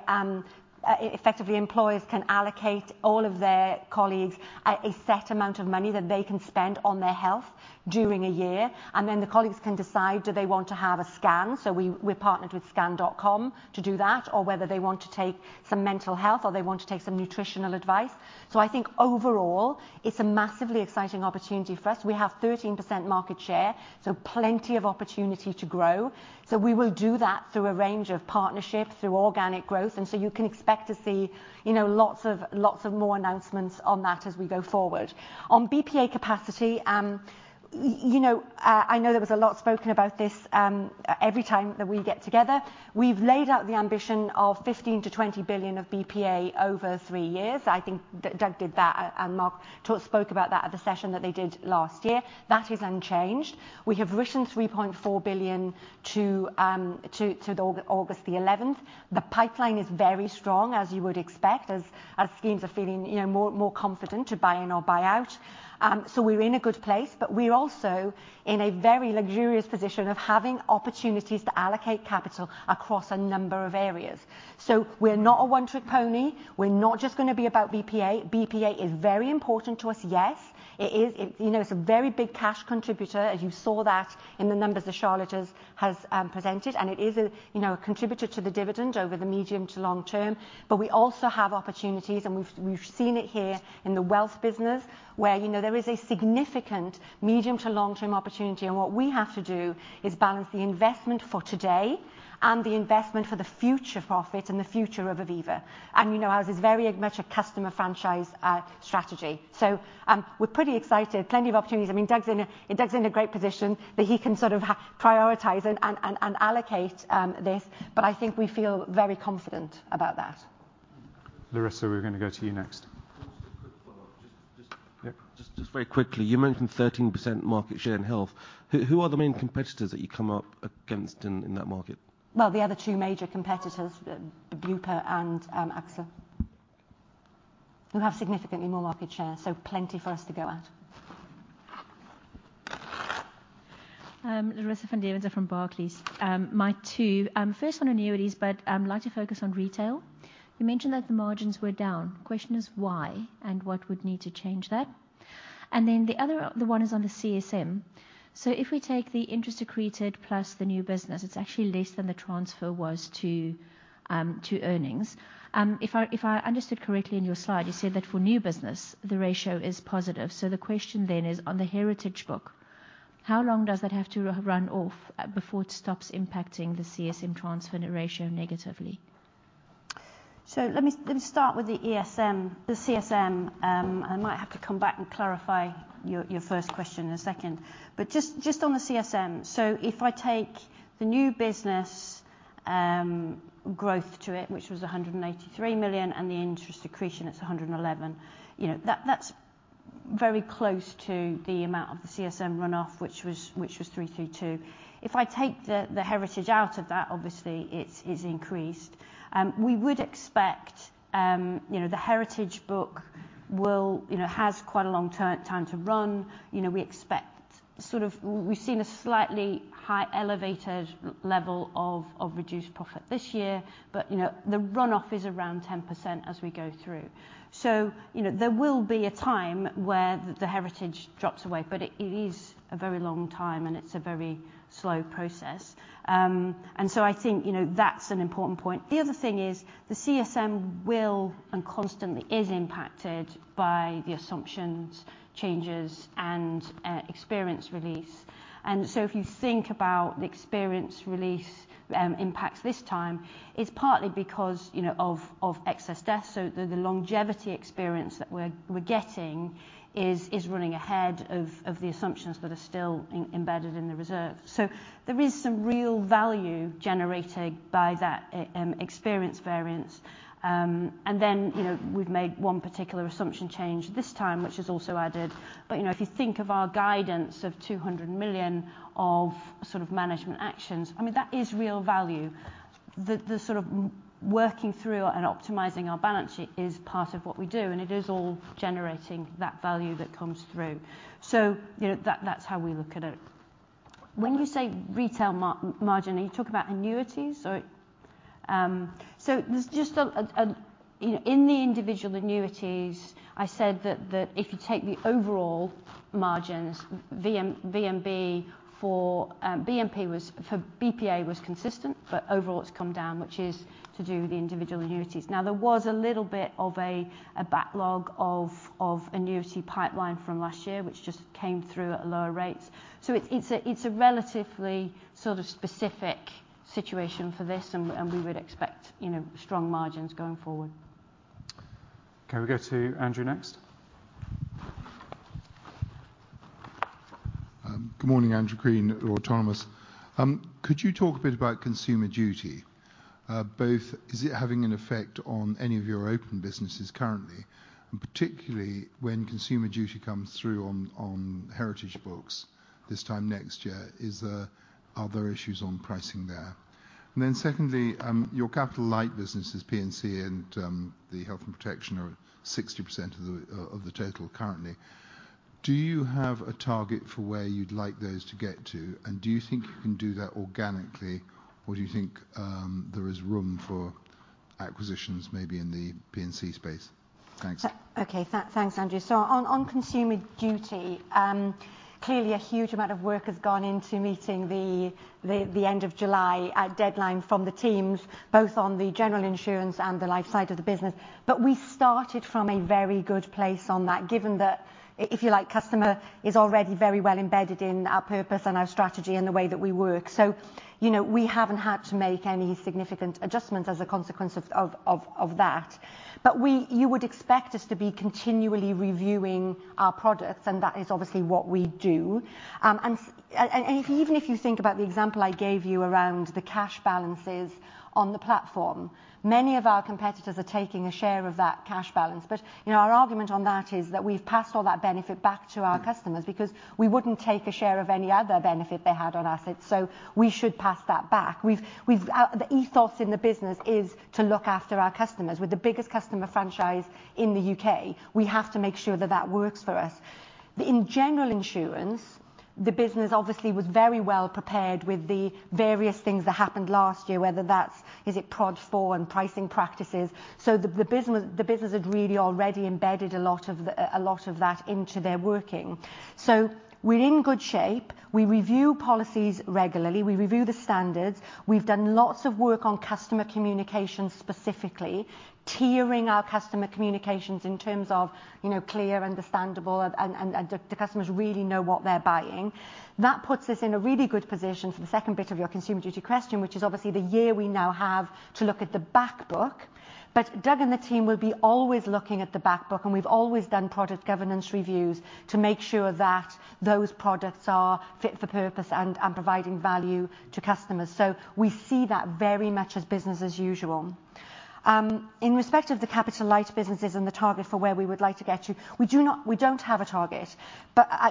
effectively employers can allocate all of their colleagues a, a set amount of money that they can spend on their health during a year. Then the colleagues can decide, do they want to have a scan? We, we've partnered with Scan.com to do that, or whether they want to take some mental health, or they want to take some nutritional advice. I think overall it's a massively exciting opportunity for us. We have 13% market share, plenty of opportunity to grow. We will do that through a range of partnerships, through organic growth. You can expect to see, you know, lots of, lots of more announcements on that as we go forward. On BPA capacity, you know, I know there was a lot spoken about this every time that we get together. We've laid out the ambition of 15 billion-20 billion of BPA over 3 years. I think that Doug did that, Mark talked, spoke about that at the session that they did last year. That is unchanged. We have written 3.4 billion to the August 11. The pipeline is very strong, as you would expect, as schemes are feeling, you know, more, more confident to buy in or buy out. We're in a good place, but we're also in a very luxurious position of having opportunities to allocate capital across a number of areas. We're not a one-trick pony. We're not just gonna be about BPA. BPA is very important to us, yes. It, you know, it's a very big cash contributor, as you saw that in the numbers that Charlotte has presented. It is a, you know, a contributor to the dividend over the medium to long term. We also have opportunities, and we've, we've seen it here in the wealth business, where, you know, there is a significant medium to long-term opportunity. What we have to do is balance the investment for today and the investment for the future profit and the future of Aviva. You know, ours is very much a customer franchise strategy. We're pretty excited. Plenty of opportunities. I mean, Doug's in a, in Doug's in a great position that he can sort of prioritize and, and, and, and allocate this, but I think we feel very confident about that. Larissa, we're gonna go to you next. Just a quick follow-up. Yep. Just, just very quickly. You mentioned 13% market share in health. Who, who are the main competitors that you come up against in, in that market? Well, the other two major competitors, Bupa and AXA, who have significantly more market share, so plenty for us to go at. Larissa van Deventer from Barclays. My 2, first on annuities, but I'd like to focus on retail. You mentioned that the margins were down. Question is why, and what would need to change that? The other 1 is on the CSM. If we take the interest accreted plus the new business, it's actually less than the transfer was to earnings. If I, if I understood correctly in your slide, you said that for new business, the ratio is positive. The question then is, on the heritage book, how long does that have to r-run off before it stops impacting the CSM transfer ratio negatively? Let me, let me start with the ESM, the CSM. I might have to come back and clarify your, your first question in a second, but just, just on the CSM. If I take the new business growth to it, which was 183 million, and the interest accretion, it's 111, you know, that, that's very close to the amount of the CSM run-off, which was, which was 332. If I take the, the Heritage out of that, obviously it's, it's increased. We would expect, you know, the Heritage book will, you know, has quite a long time to run. You know, we expect- sort of, we've seen a slightly high elevated level of, of reduced profit this year, but, you know, the run-off is around 10% as we go through. You know, there will be a time where the Heritage drops away, but it, it is a very long time, and it's a very slow process. I think, you know, that's an important point. The other thing is, the CSM will and constantly is impacted by the assumptions, changes, and experience release. If you think about the experience release impacts this time, it's partly because, you know, of, of excess death. The, the longevity experience that we're, we're getting is, is running ahead of, of the assumptions that are still embedded in the reserve. There is some real value generated by that experience variance. You know, we've made one particular assumption change this time, which is also added. You know, if you think of our guidance of 200 million of sort of management actions, I mean, that is real value. The, the sort of working through and optimizing our balance sheet is part of what we do, and it is all generating that value that comes through. You know, that, that's how we look at it. When you say retail margin, are you talking about annuities, or? There's just a, you know, in the individual annuities, I said that, that if you take the overall margins, VMB for BPA was for BPA was consistent, but overall it's come down, which is to do with the individual annuities. There was a little bit of a backlog of annuity pipeline from last year, which just came through at a lower rates. It's a relatively sort of specific situation for this, and we, and we would expect, you know, strong margins going forward. Okay, we go to Andrew next. Good morning, Andrew Green, Autonomous. Could you talk a bit about Consumer Duty? Both, is it having an effect on any of your open businesses currently, and particularly when Consumer Duty comes through on Heritage books this time next year, are there issues on pricing there? Then secondly, your capital-light businesses, P&C and the health and protection, are 60% of the total currently. Do you have a target for where you'd like those to get to? And do you think you can do that organically, or do you think there is room for acquisitions, maybe in the P&C space? Thanks. Okay, thanks, Andrew. On, on Consumer Duty, clearly a huge amount of work has gone into meeting the, the, the end of July deadline from the teams, both on the General Insurance and the life side of the business. We started from a very good place on that, given that if you like, customer is already very well embedded in our purpose and our strategy and the way that we work. You know, we haven't had to make any significant adjustments as a consequence of, of, of, of that. You would expect us to be continually reviewing our products, and that is obviously what we do. And, and even if you think about the example I gave you around the cash balances on the platform, many of our competitors are taking a share of that cash balance. You know, our argument on that is that we've passed all that benefit back to our customers because we wouldn't take a share of any other benefit they had on us, so we should pass that back. We've, the ethos in the business is to look after our customers. We're the biggest customer franchise in the UK. We have to make sure that that works for us. In general insurance, the business obviously was very well prepared with the various things that happened last year, whether that's PROD 4 and pricing practices. The business had really already embedded a lot of the, a lot of that into their working. We're in good shape. We review policies regularly. We review the standards. We've done lots of work on customer communication, specifically, tiering our customer communications in terms of, you know, clear, understandable, and, and, and the, the customers really know what they're buying. That puts us in a really good position for the second bit of your Consumer Duty question, which is obviously the year we now have to look at the back book. Doug and the team will be always looking at the back book, and we've always done product governance reviews to make sure that those products are fit for purpose and, and providing value to customers. We see that very much as business as usual. In respect of the capital light businesses and the target for where we would like to get to, we don't have a target.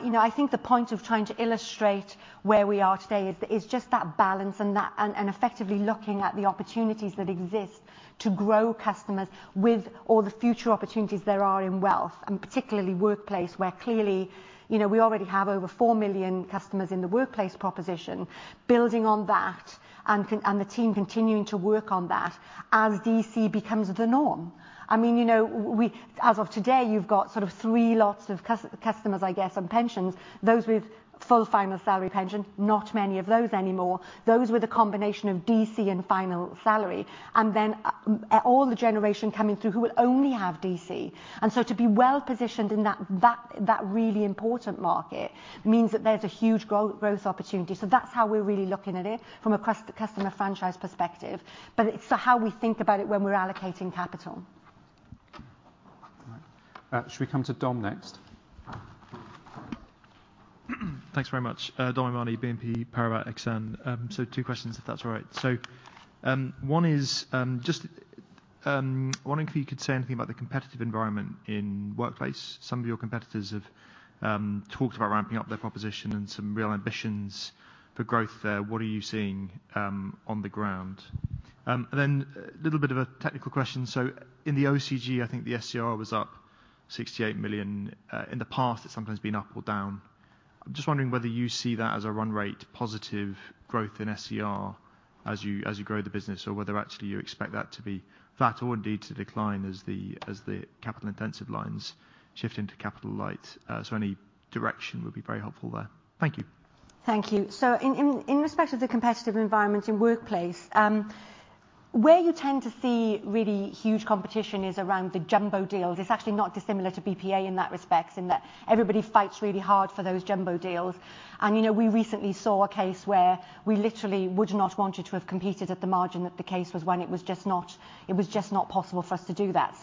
You know, I think the point of trying to illustrate where we are today is, is just that balance and that, and, and effectively looking at the opportunities that exist to grow customers with all the future opportunities there are in wealth, and particularly workplace, where clearly, you know, we already have over 4 million customers in the workplace proposition. Building on that, and the team continuing to work on that as DC becomes the norm. I mean, you know, we, as of today, you've got sort of three lots of customers, I guess, on pensions. Those with full final salary pension, not many of those anymore. Those with a combination of DC and final salary, and then, all the generation coming through who will only have DC. To be well-positioned in that really important market means that there's a huge growth opportunity. That's how we're really looking at it from a customer franchise perspective, but it's so how we think about it when we're allocating capital. Should we come to Dom next? Thanks very much. Dom Imani, BNP Paribas Exane. Two questions, if that's all right. One is, just wondering if you could say anything about the competitive environment in Workplace. Some of your competitors have talked about ramping up their proposition and some real ambitions for growth there. What are you seeing on the ground? Then a little bit of a technical question. In the OFG, I think the SCR was up 68 million. In the past, it's sometimes been up or down. I'm just wondering whether you see that as a run rate, positive growth in SCR as you, as you grow the business, or whether actually you expect that to be flat or indeed to decline as the, as the capital-intensive lines shift into capital light. Any direction would be very helpful there. Thank you. Thank you. In, in, in respect of the competitive environment in workplace, where you tend to see really huge competition is around the jumbo deals. It's actually not dissimilar to BPA in that respect, in that everybody fights really hard for those jumbo deals. You know, we recently saw a case where we literally would not want you to have competed at the margin, that the case was when it was just not, it was just not possible for us to do that.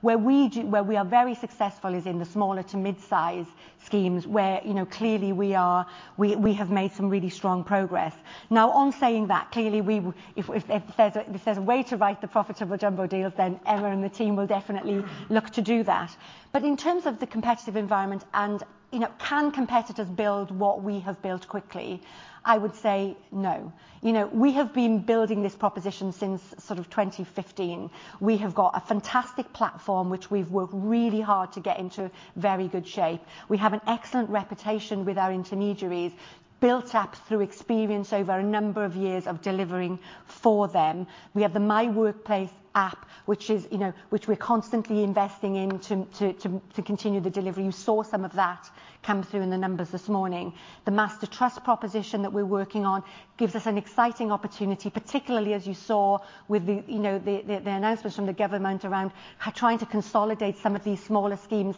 Where we are very successful is in the smaller to mid-size schemes, where, you know, clearly we are, we, we have made some really strong progress. On saying that, clearly we if, if, if there's a, if there's a way to write the profitable jumbo deals, then Emma and the team will definitely look to do that. In terms of the competitive environment and, you know, can competitors build what we have built quickly? I would say no. You know, we have been building this proposition since sort of 2015. We have got a fantastic platform, which we've worked really hard to get into very good shape. We have an excellent reputation with our intermediaries, built up through experience over a number of years of delivering for them. We have the MyWorkplace app, which is, you know, which we're constantly investing in to continue the delivery. You saw some of that come through in the numbers this morning. The master trust proposition that we're working on gives us an exciting opportunity, particularly as you saw with the, you know, the, the, the announcements from the government around trying to consolidate some of these smaller schemes.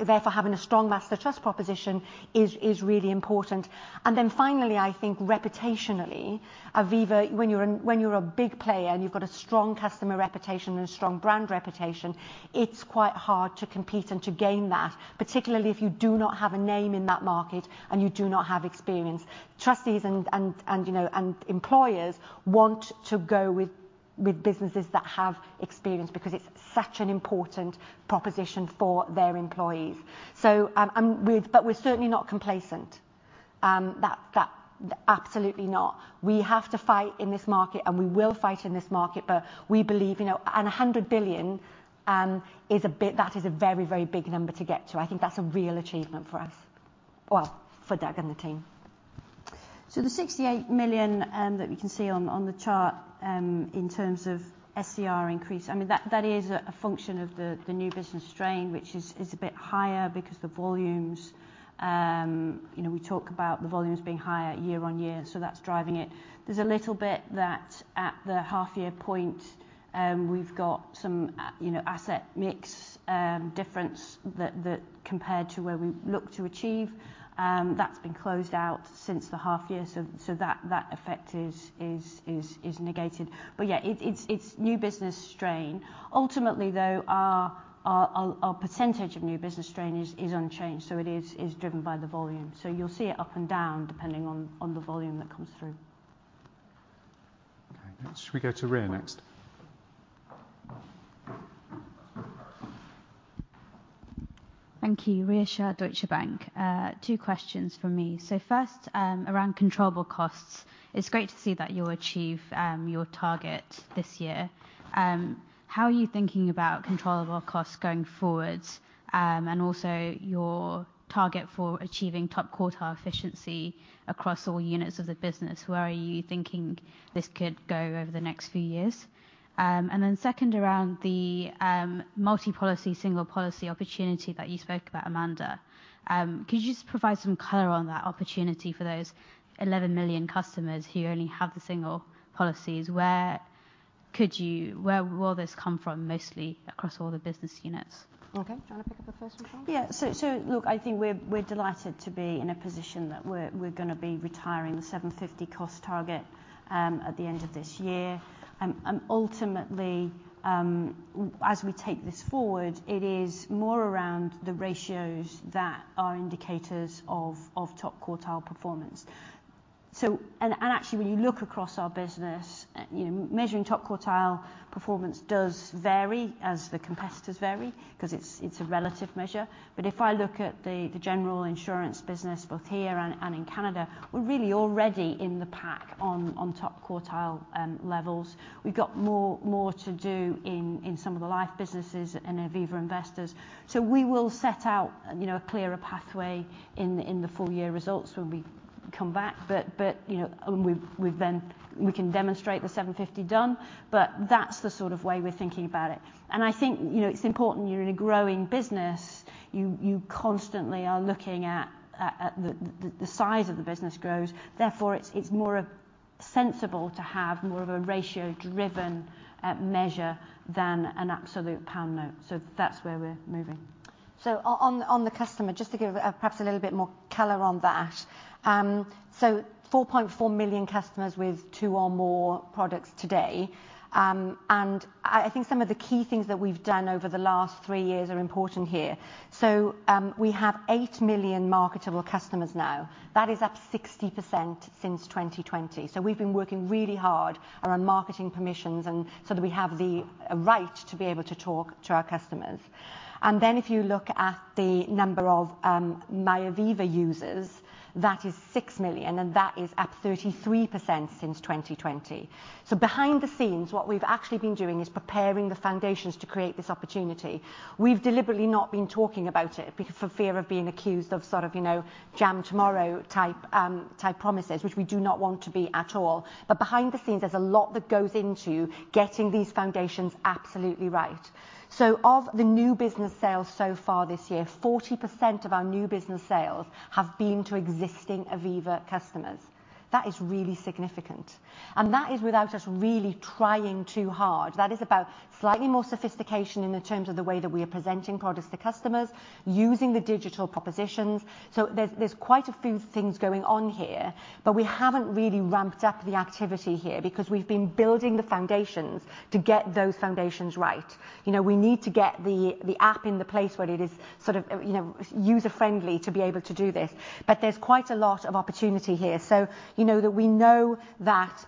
Therefore, having a strong master trust proposition is really important. Then finally, I think reputationally, Aviva, when you're a big player and you've got a strong customer reputation and a strong brand reputation, it's quite hard to compete and to gain that, particularly if you do not have a name in that market and you do not have experience. Trustees and, you know, and employers want to go with businesses that have experience because it's such an important proposition for their employees. We've. We're certainly not complacent. That, absolutely not. We have to fight in this market, and we will fight in this market, but we believe, you know. A 100 billion is a bit, that is a very, very big number to get to. I think that's a real achievement for us. Well, for Doug and the team. The 68 million that we can see on the chart in terms of SCR increase. I mean, that is a function of the new business strain, which is a bit higher because the volumes, you know, we talk about the volumes being higher year-on-year, so that's driving it. There's a little bit that at the half year point, we've got some, you know, asset mix difference that compared to where we look to achieve. That's been closed out since the half year, so that effect is negated. Yeah, it's new business strain. Ultimately, though, our % of new business strain is unchanged, so it is driven by the volume. You'll see it up and down, depending on, on the volume that comes through. Okay, should we go to Rhea next? Thank you. Rhea Shah, Deutsche Bank. Two questions from me. First, around controllable costs, it's great to see that you'll achieve your target this year. How are you thinking about controllable costs going forward? Also your target for achieving top quartile efficiency across all units of the business. Where are you thinking this could go over the next few years? Second, around the multi-policy, single policy opportunity that you spoke about, Amanda. Could you just provide some color on that opportunity for those 11 million customers who only have the single policies? Where will this come from, mostly across all the business units? Okay. Do you want to pick up the first one, Charlotte? Yeah. Look, I think we're, we're delighted to be in a position that we're, we're gonna be retiring the 750-cost target at the end of this year. Ultimately, as we take this forward, it is more around the ratios that are indicators of, of top quartile performance. Actually, when you look across our business, you know, measuring top quartile performance does vary as the competitors vary, cause it's, it's a relative measure. If I look at the, the general insurance business, both here and, and in Canada, we're really already in the pack on, on top quartile levels. We've got more, more to do in, in some of the life businesses in Aviva Investors. We will set out, you know, a clearer pathway in the, in the full year results when we come back. But, but, you know, we've, we've then, we can demonstrate the 750 done, but that's the sort of way we're thinking about it. I think, you know, it's important, you're in a growing business, you, you constantly are looking at, at, at the, the, the size of the business grows. Therefore, it's, it's more sensible to have more of a ratio-driven measure than an absolute pound note. That's where we're moving. ... On, on the customer, just to give perhaps a little bit more color on that. 4.4 million customers with two or more products today. I, I think some of the key things that we've done over the last three years are important here. We have 8 million marketable customers now. That is up 60% since 2020. We've been working really hard around marketing permissions and so that we have the right to be able to talk to our customers. If you look at the number of MyAviva users, that is 6 million, and that is up 33% since 2020. Behind the scenes, what we've actually been doing is preparing the foundations to create this opportunity. We've deliberately not been talking about it, because for fear of being accused of sort of, you know, jam tomorrow type, type promises, which we do not want to be at all. Behind the scenes, there's a lot that goes into getting these foundations absolutely right. Of the new business sales so far this year, 40% of our new business sales have been to existing Aviva customers. That is really significant, and that is without us really trying too hard. That is about slightly more sophistication in the terms of the way that we are presenting products to customers, using the digital propositions. There's, there's quite a few things going on here, but we haven't really ramped up the activity here because we've been building the foundations to get those foundations right. You know, we need to get the, the app in the place where it is sort of, you know, user-friendly to be able to do this. There's quite a lot of opportunity here. You know that we know that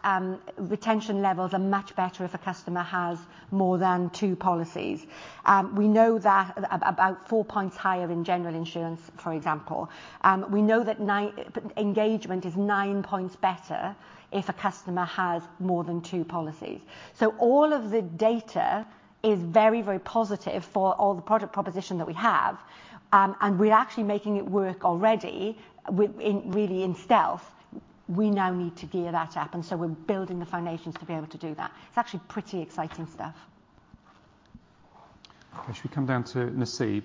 retention levels are much better if a customer has more than two policies. We know that about four points higher in general insurance, for example. We know that nine engagement is nine points better if a customer has more than two policies. All of the data is very, very positive for all the product proposition that we have. We're actually making it work already with, in, really in stealth. We now need to gear that up, and so we're building the foundations to be able to do that. It's actually pretty exciting stuff. I should come down to Nasib.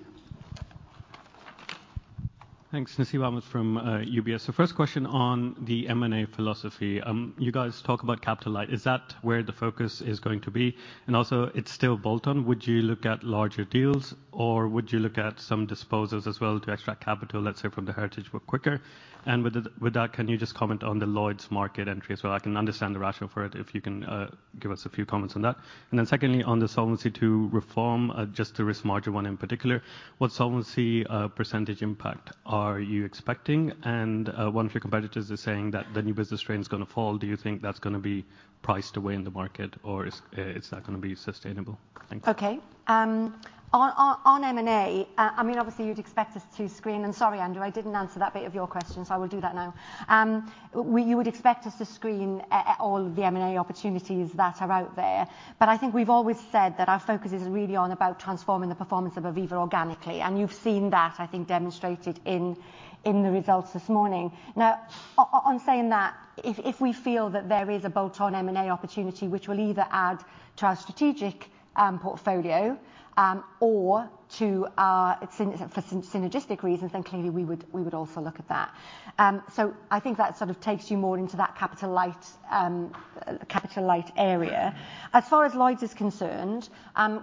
Thanks. Nasib Ahmed from UBS. First question on the M&A philosophy. You guys talk about capital light. Is that where the focus is going to be? Also it's still bolt-on. Would you look at larger deals, or would you look at some disposals as well to extract capital, let's say, from the Heritage book quicker? With the, with that, can you just comment on the Lloyd's market entry as well? I can understand the rationale for it, if you can give us a few comments on that. Then secondly, on the Solvency II reform, just the risk margin one in particular, what solvency % impact are you expecting? One of your competitors is saying that the new business strain is going to fall. Do you think that's going to be priced away in the market, or is, is that going to be sustainable? Thanks. Okay. On, on, on M&A, I mean, obviously you'd expect us to screen... Sorry, Andrew, I didn't answer that bit of your question, so I will do that now. We, you would expect us to screen all of the M&A opportunities that are out there. I think we've always said that our focus is really on about transforming the performance of Aviva organically, and you've seen that, I think, demonstrated in, in the results this morning. Now, on saying that, if, if we feel that there is a bolt-on M&A opportunity which will either add to our strategic portfolio, or to our, for synergetic reasons, clearly we would, we would also look at that. I think that sort of takes you more into that capital light, capital light area. As far as Lloyd's is concerned,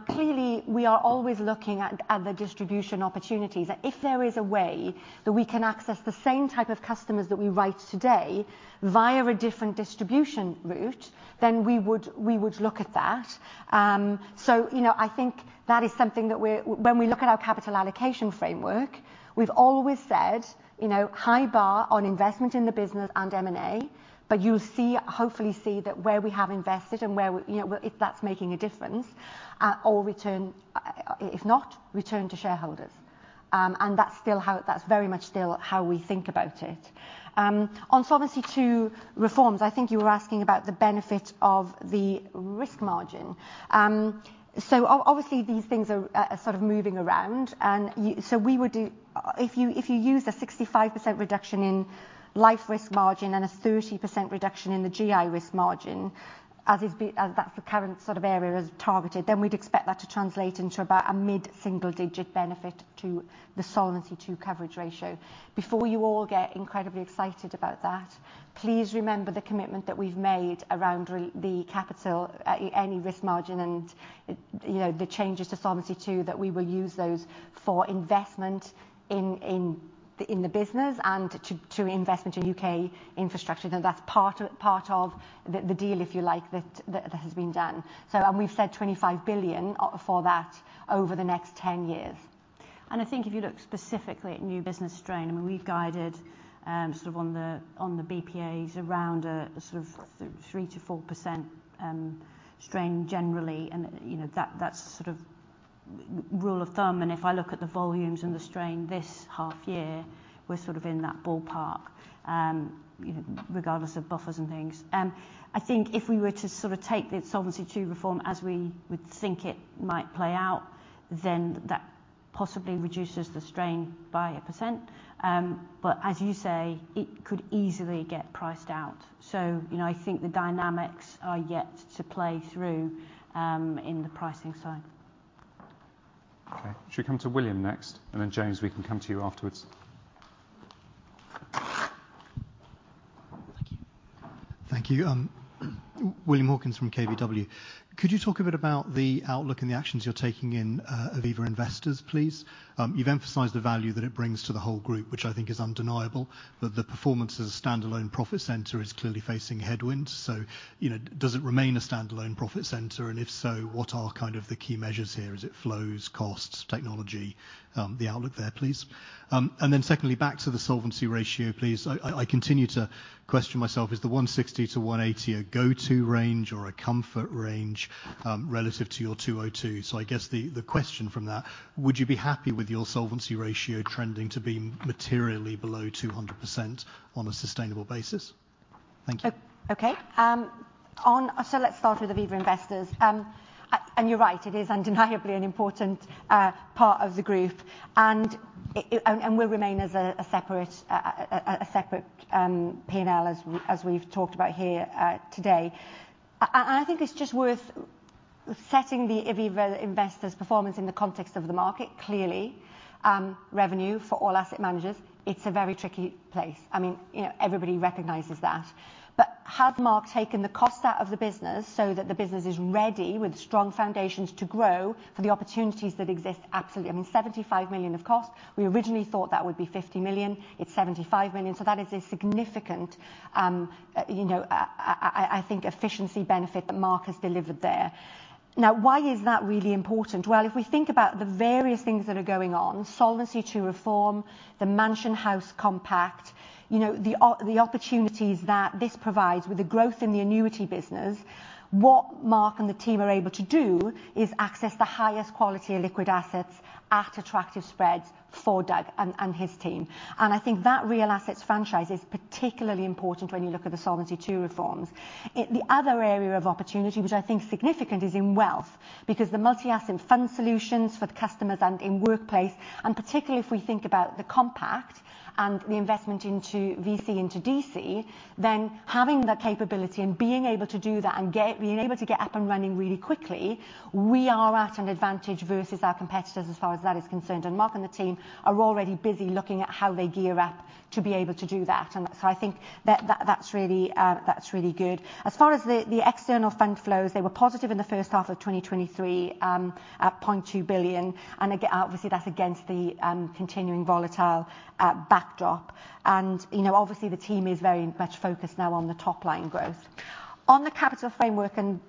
clearly we are always looking at, at the distribution opportunities. If there is a way that we can access the same type of customers that we write today via a different distribution route, then we would, we would look at that. You know, I think that is something. When we look at our capital allocation framework, we've always said, you know, high bar on investment in the business and M&A, you'll see, hopefully see that where we have invested and where, you know, if that's making a difference, at or return, if not, return to shareholders. That's still how, that's very much still how we think about it. On Solvency II reforms, I think you were asking about the benefit of the risk margin. Obviously these things are sort of moving around, we would do, if you, if you use a 65% reduction in life risk margin and a 30% reduction in the GI risk margin, as is be, as that's the current sort of area is targeted, then we'd expect that to translate into about a mid-single-digit benefit to the Solvency II coverage ratio. Before you all get incredibly excited about that, please remember the commitment that we've made around the capital, any risk margin and, you know, the changes to Solvency II, that we will use those for investment in the business and to invest into UK infrastructure. That's part of the deal, if you like, that has been done. We've said 25 billion for that over the next 10 years. I think if you look specifically at new business strain, I mean, we've guided, sort of on the, on the BPAs around a sort of 3 to 4% strain generally, you know, that's the sort of rule of thumb. If I look at the volumes and the strain this half year, we're sort of in that ballpark, you know, regardless of buffers and things. I think if we were to sort of take the Solvency II reform as we would think it might play out, that possibly reduces the strain by 1%. As you say, it could easily get priced out. You know, I think the dynamics are yet to play through in the pricing side. Okay, shall we come to William next? Then, James, we can come to you afterwards. Thank you. William Hawkins from KBW. Could you talk a bit about the outlook and the actions you're taking in Aviva Investors, please? You've emphasized the value that it brings to the whole group, which I think is undeniable. The performance as a standalone profit center is clearly facing headwinds, so, you know, does it remain a standalone profit center? If so, what are kind of the key measures here? Is it flows, costs, technology, the outlook there, please. Then secondly, back to the solvency ratio, please. I continue to question myself, is the 160-180 a go-to range or a comfort range, relative to your 202? I guess the, the question from that, would you be happy with your solvency ratio trending to be materially below 200% on a sustainable basis? Thank you. Okay. Let's start with Aviva Investors. You're right, it is undeniably an important part of the group, and it, and, and will remain as a, a separate, a separate, PNL, as we, as we've talked about here, today. I think it's just worth setting the Aviva Investors performance in the context of the market. Clearly, revenue for all asset managers, it's a very tricky place. I mean, you know, everybody recognizes that. Has Mark taken the cost out of the business so that the business is ready with strong foundations to grow for the opportunities that exist? Absolutely. I mean, 75 million of cost, we originally thought that would be 50 million. It's 75 million. That is a significant, you know, I think, efficiency benefit that Mark has delivered there. Why is that really important? Well, if we think about the various things that are going on, Solvency II reforms, the Mansion House Compact, you know, the opportunities that this provides with the growth in the annuity business, what Mark and the team are able to do is access the highest quality liquid assets at attractive spreads for Doug and his team. I think that real assets franchise is particularly important when you look at the Solvency II reforms. The other area of opportunity, which I think is significant, is in wealth, because the multi-asset fund solutions for the customers and in workplace, and particularly if we think about the compact and the investment into VC, into DC, then having the capability and being able to do that and get, being able to get up and running really quickly, we are at an advantage versus our competitors as far as that is concerned. Mark and the team are already busy looking at how they gear up to be able to do that, and so I think that, that, that's really, that's really good. As far as the external fund flows, they were positive in the H1 of 2023, at 0.2 billion, and again, obviously, that's against the continuing volatile backdrop. You know, obviously the team is very much focused now on the top-line growth. On the capital framework and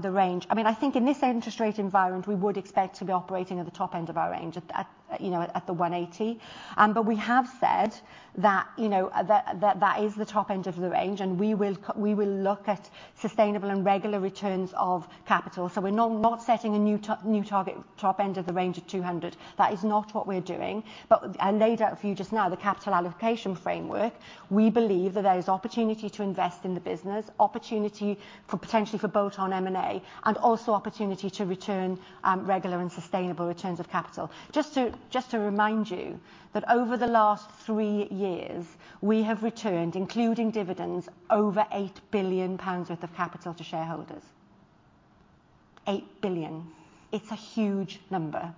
the range, I mean, I think in this interest rate environment, we would expect to be operating at the top end of our range, at, you know, at the 180. We have said that, you know, that is the top end of the range, and we will look at sustainable and regular returns of capital. We're not, not setting a new target, top end of the range at 200. That is not what we're doing. I laid out for you just now the capital allocation framework. We believe that there is opportunity to invest in the business, opportunity for potentially for bolt-on M&A, and also opportunity to return, regular and sustainable returns of capital. Just to, just to remind you that over the last three years, we have returned, including dividends, over 8 billion pounds worth of capital to shareholders. 8 billion. It's a huge number,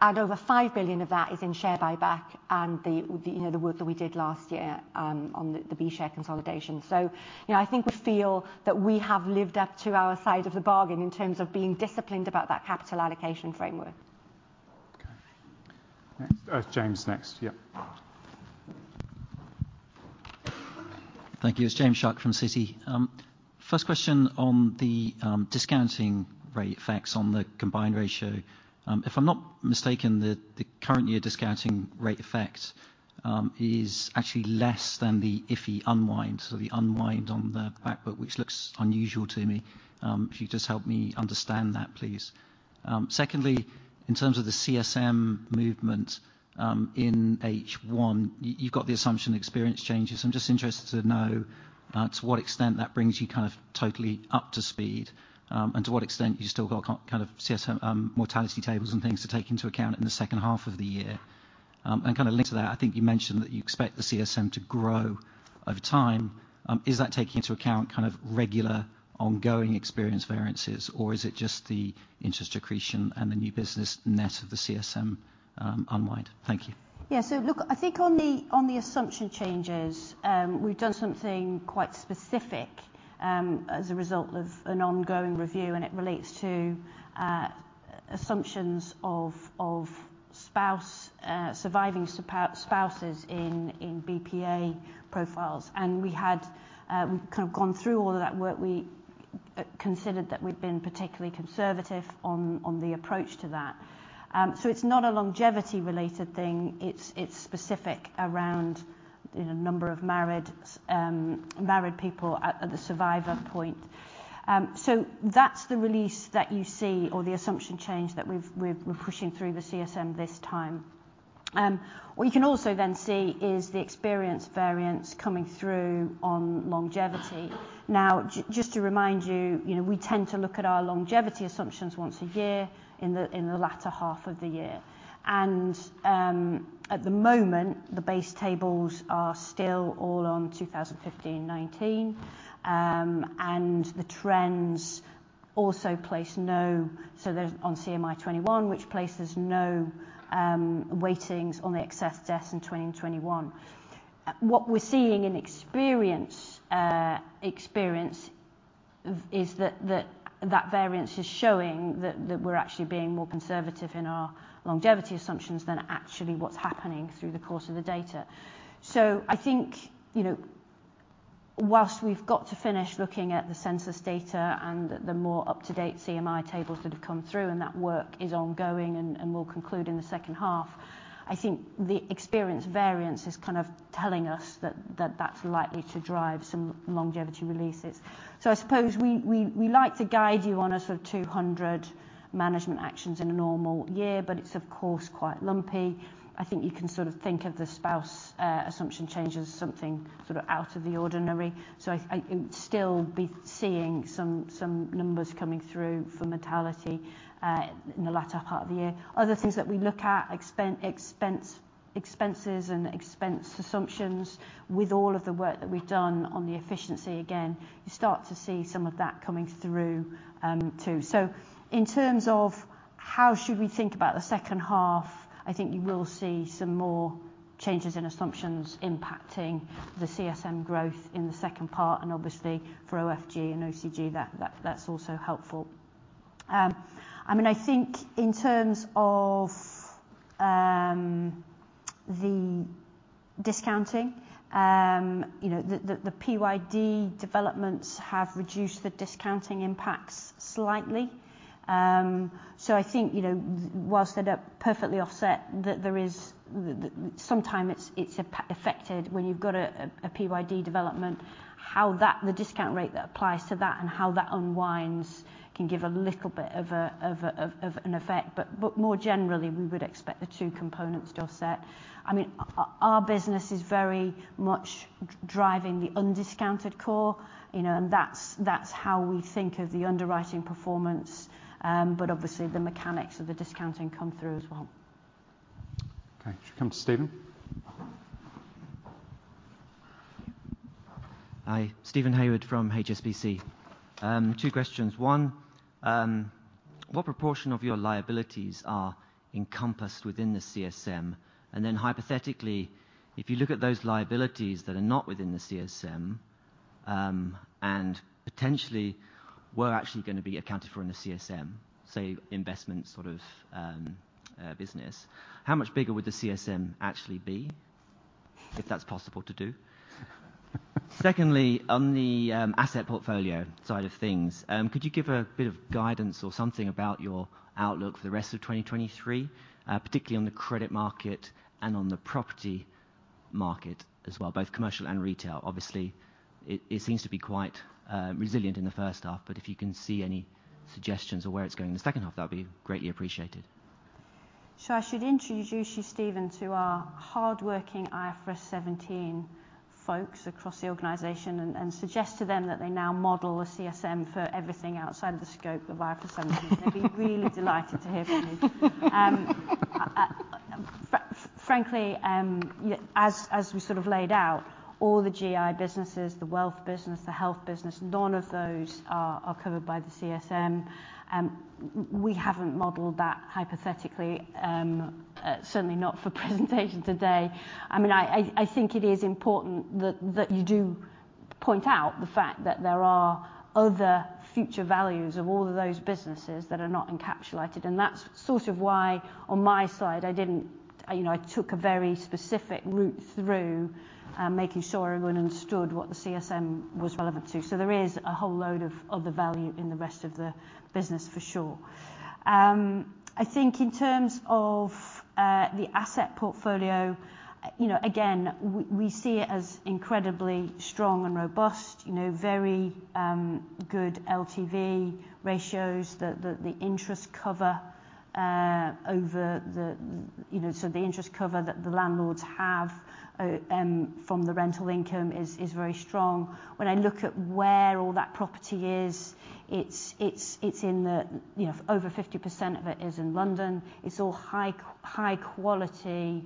and over 5 billion of that is in share buyback and the, the, you know, the work that we did last year, on the, the B share consolidation. So, you know, I think we feel that we have lived up to our side of the bargain in terms of being disciplined about that capital allocation framework. Okay. Next, James next. Yeah. Thank you. It's James Shuck from Citi. First question on the discounting rate effects on the combined ratio. If I'm not mistaken, the current year discounting rate effect is actually less than the IFFY unwind, so the unwind on the back, but which looks unusual to me. If you just help me understand that, please. Secondly, in terms of the CSM movement, in H1, you've got the assumption experience changes. I'm just interested to know to what extent that brings you kind of totally up to speed, and to what extent you've still got kind of CSM, mortality tables and things to take into account in the H2 of the year. Kinda linked to that, I think you mentioned that you expect the CSM to grow over time. Is that taking into account kind of regular, ongoing experience variances, or is it just the interest accretion and the new business net of the CSM, unwind? Thank you. Yeah. Look, I think on the, on the assumption changes, we've done something quite specific as a result of an ongoing review. It relates to assumptions of spouse, surviving spouses in BPA profiles. We had, we've kind of gone through all of that work. We considered that we've been particularly conservative on the approach to that. It's not a longevity-related thing. It's, it's specific around, you know, number of married, married people at the survivor point. That's the release that you see or the assumption change that we've, we've, we're pushing through the CSM this time. What you can also then see is the experience variance coming through on longevity. Just to remind you, you know, we tend to look at our longevity assumptions once a year in the, in the latter half of the year. At the moment, the base tables are still all on 2015, 19, and the trends.... also place no, so there's on CMI 2021, which places no, weightings on the excess deaths in 20 and 21. What we're seeing in experience, is that variance is showing that we're actually being more conservative in our longevity assumptions than actually what's happening through the course of the data. I think, you know, whilst we've got to finish looking at the census data and the more up-to-date CMI tables that have come through, and that work is ongoing and will conclude in the H2, I think the experience variance is kind of telling us that that's likely to drive some longevity releases. I suppose we like to guide you on a sort of 200 management actions in a normal year, it's of course, quite lumpy. I think you can sort of think of the spouse assumption change as something sort of out of the ordinary. I, I, still be seeing some, some numbers coming through for mortality in the latter part of the year. Other things that we look at, expense, expenses and expense assumptions. With all of the work that we've done on the efficiency, again, you start to see some of that coming through too. In terms of how we should think about the H2, I think you will see some more changes in assumptions impacting the CSM growth in the second part, and obviously for OFG and OFG, that, that, that's also helpful. I mean, I think in terms of the discounting, you know, the PYD developments have reduced the discounting impacts slightly. I think, you know, whilst they don't perfectly offset that there is some time it's affected when you've got a PYD development, how that, the discount rate that applies to that and how that unwinds can give a little bit of an effect. More generally, we would expect the two components to offset. I mean, our business is very much driving the undiscounted core, you know, and that's, that's how we think of the underwriting performance. Obviously, the mechanics of the discounting come through as well. Okay, should we come to Steven? Hi. Steven Hayward from HSBC. 2 questions. 1, what proportion of your liabilities are encompassed within the CSM? Then hypothetically, if you look at those liabilities that are not within the CSM, and potentially were actually going to be accounted for in the CSM, say, investment sort of business, how much bigger would the CSM actually be, if that's possible to do? 2, on the asset portfolio side of things, could you give a bit of guidance or something about your outlook for the rest of 2023, particularly on the credit market and on the property market as well, both commercial and retail? Obviously, it, it seems to be quite resilient in the H1, if you can see any suggestions or where it's going in the H2, that would be greatly appreciated. I should introduce you, Steven, to our hardworking IFRS 17 folks across the organization and suggest to them that they now model a CSM for everything outside the scope of IFRS 17. They'd be really delighted to hear from you. Frankly, as we sort of laid out, all the GI businesses, the wealth business, the health business, none of those are covered by the CSM. We haven't modeled that hypothetically, certainly not for presentation today. I mean, I think it is important that you do point out the fact that there are other future values of all of those businesses that are not encapsulated, and that's sort of why, on my side, I didn't... You know, I took a very specific route through making sure everyone understood what the CSM was relevant to. There is a whole load of, of the value in the rest of the business for sure. I think in terms of the asset portfolio, you know, again, we see it as incredibly strong and robust, you know, very good LTV ratios, the, the, the interest cover over the... You know, so the interest cover that the landlords have from the rental income is, is very strong. When I look at where all that property is, it's, it's, it's in the, you know, over 50% of it is in London. It's all high-quality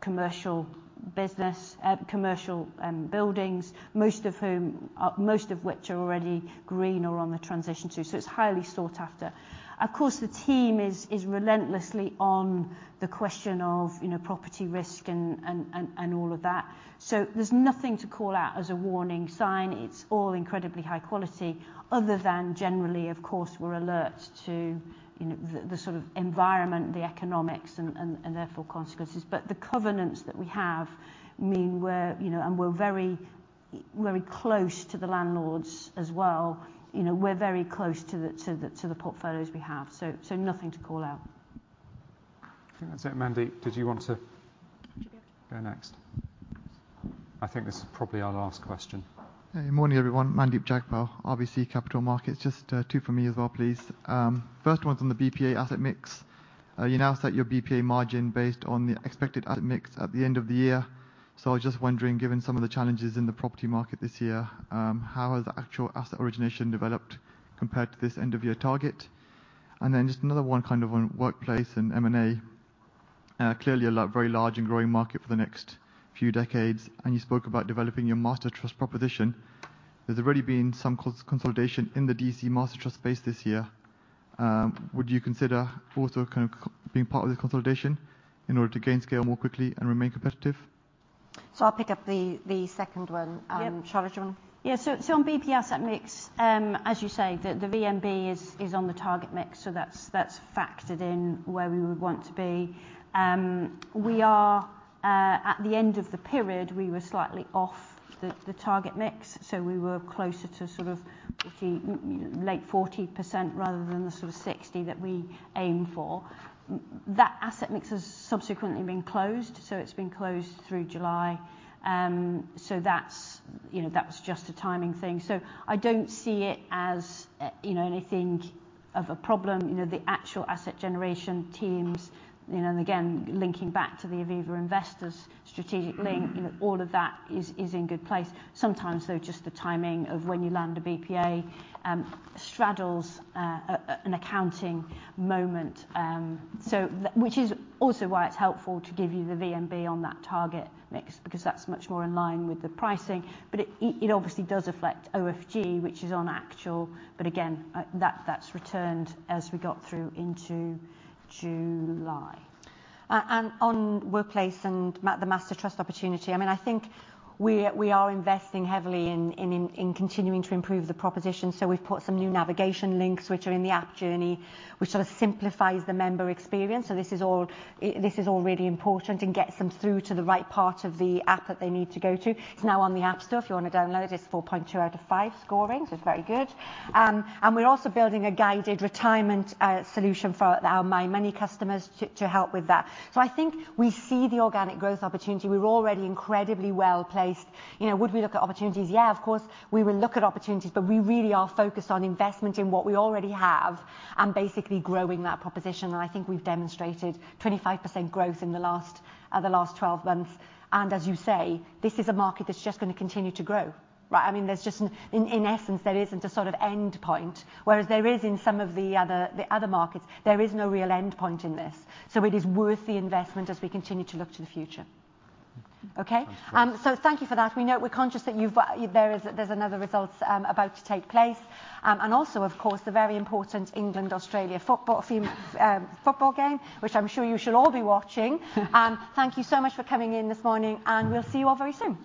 commercial business, commercial buildings, most of whom, most of which are already green or on the transition to, it's highly sought after. Of course, the team is, is relentlessly on the question of, you know, property risk and, and, and, and all of that. There's nothing to call out as a warning sign. It's all incredibly high quality, other than generally, of course, we're alert to, you know, the, the sort of environment, the economics and, and, and therefore, consequences. The covenants that we have mean we're, you know, and we're very, very close to the landlords as well. You know, we're very close to the, to the, to the portfolios we have, so, so nothing to call out. I think that's it. Mandeep, did you want to- Sure ...go next? I think this is probably our last question. Hey, morning, everyone. Mandeep Jagpal, RBC Capital Markets. Just two for me as well, please. First one's on the BPA asset mix. You now set your BPA margin based on the expected asset mix at the end of the year. I was just wondering, given some of the challenges in the property market this year, how has the actual asset origination developed compared to this end-of-year target? Just another one, kind of on workplace and M&A. Clearly a lot, very large and growing market for the next few decades. You spoke about developing your master trust proposition. There's already been some consolidation in the DC master trust space this year. Would you consider also being part of the consolidation in order to gain scale more quickly and remain competitive? I'll pick up the, the second one. Yep. Charlotte, do you want? Yeah, on BPA asset mix, as you say, the VMB is on the target mix, so that's factored in where we would want to be. We are, at the end of the period, we were slightly off the target mix, so we were closer to sort of 50, late 40% rather than the sort of 60 that we aim for. That asset mix has subsequently been closed, so it's been closed through July. That's, you know, that was just a timing thing. I don't see it as, you know, anything of a problem. You know, the actual asset generation teams, you know, and again, linking back to the Aviva Investors strategic link, you know, all of that is, is in good place. Sometimes, though, just the timing of when you land a BPA straddles an accounting moment. Which is also why it's helpful to give you the VMB on that target mix, because that's much more in line with the pricing. It, it obviously does reflect OFG, which is on actual. Again, that, that's returned as we got through into July. On workplace and the Master Trust opportunity, I mean, I think we, we are investing heavily in, in, in continuing to improve the proposition. We've put some new navigation links which are in the app journey, which sort of simplifies the member experience. This is all, this is all really important and gets them through to the right part of the app that they need to go to. It's now on the App Store if you want to download it. It's 4.2 out of 5 scoring, so it's very good. We're also building a guided retirement solution for our my many customers to, to help with that. I think we see the organic growth opportunity. We're already incredibly well-placed. You know, would we look at opportunities? Of course, we will look at opportunities. We really are focused on investment in what we already have and basically growing that proposition, and I think we've demonstrated 25% growth in the last 12 months. As you say, this is a market that's just going to continue to grow, right? I mean, there's just, in essence, there isn't a sort of end point, whereas there is in some of the other, the other markets, there is no real end point in this. It is worth the investment as we continue to look to the future. Okay? That's right. Thank you for that. We know, we're conscious that you've, there is, there's other results about to take place. Also, of course, the very important England-Australia football team, football game, which I'm sure you should all be watching. Thank you so much for coming in this morning, we'll see you all very soon.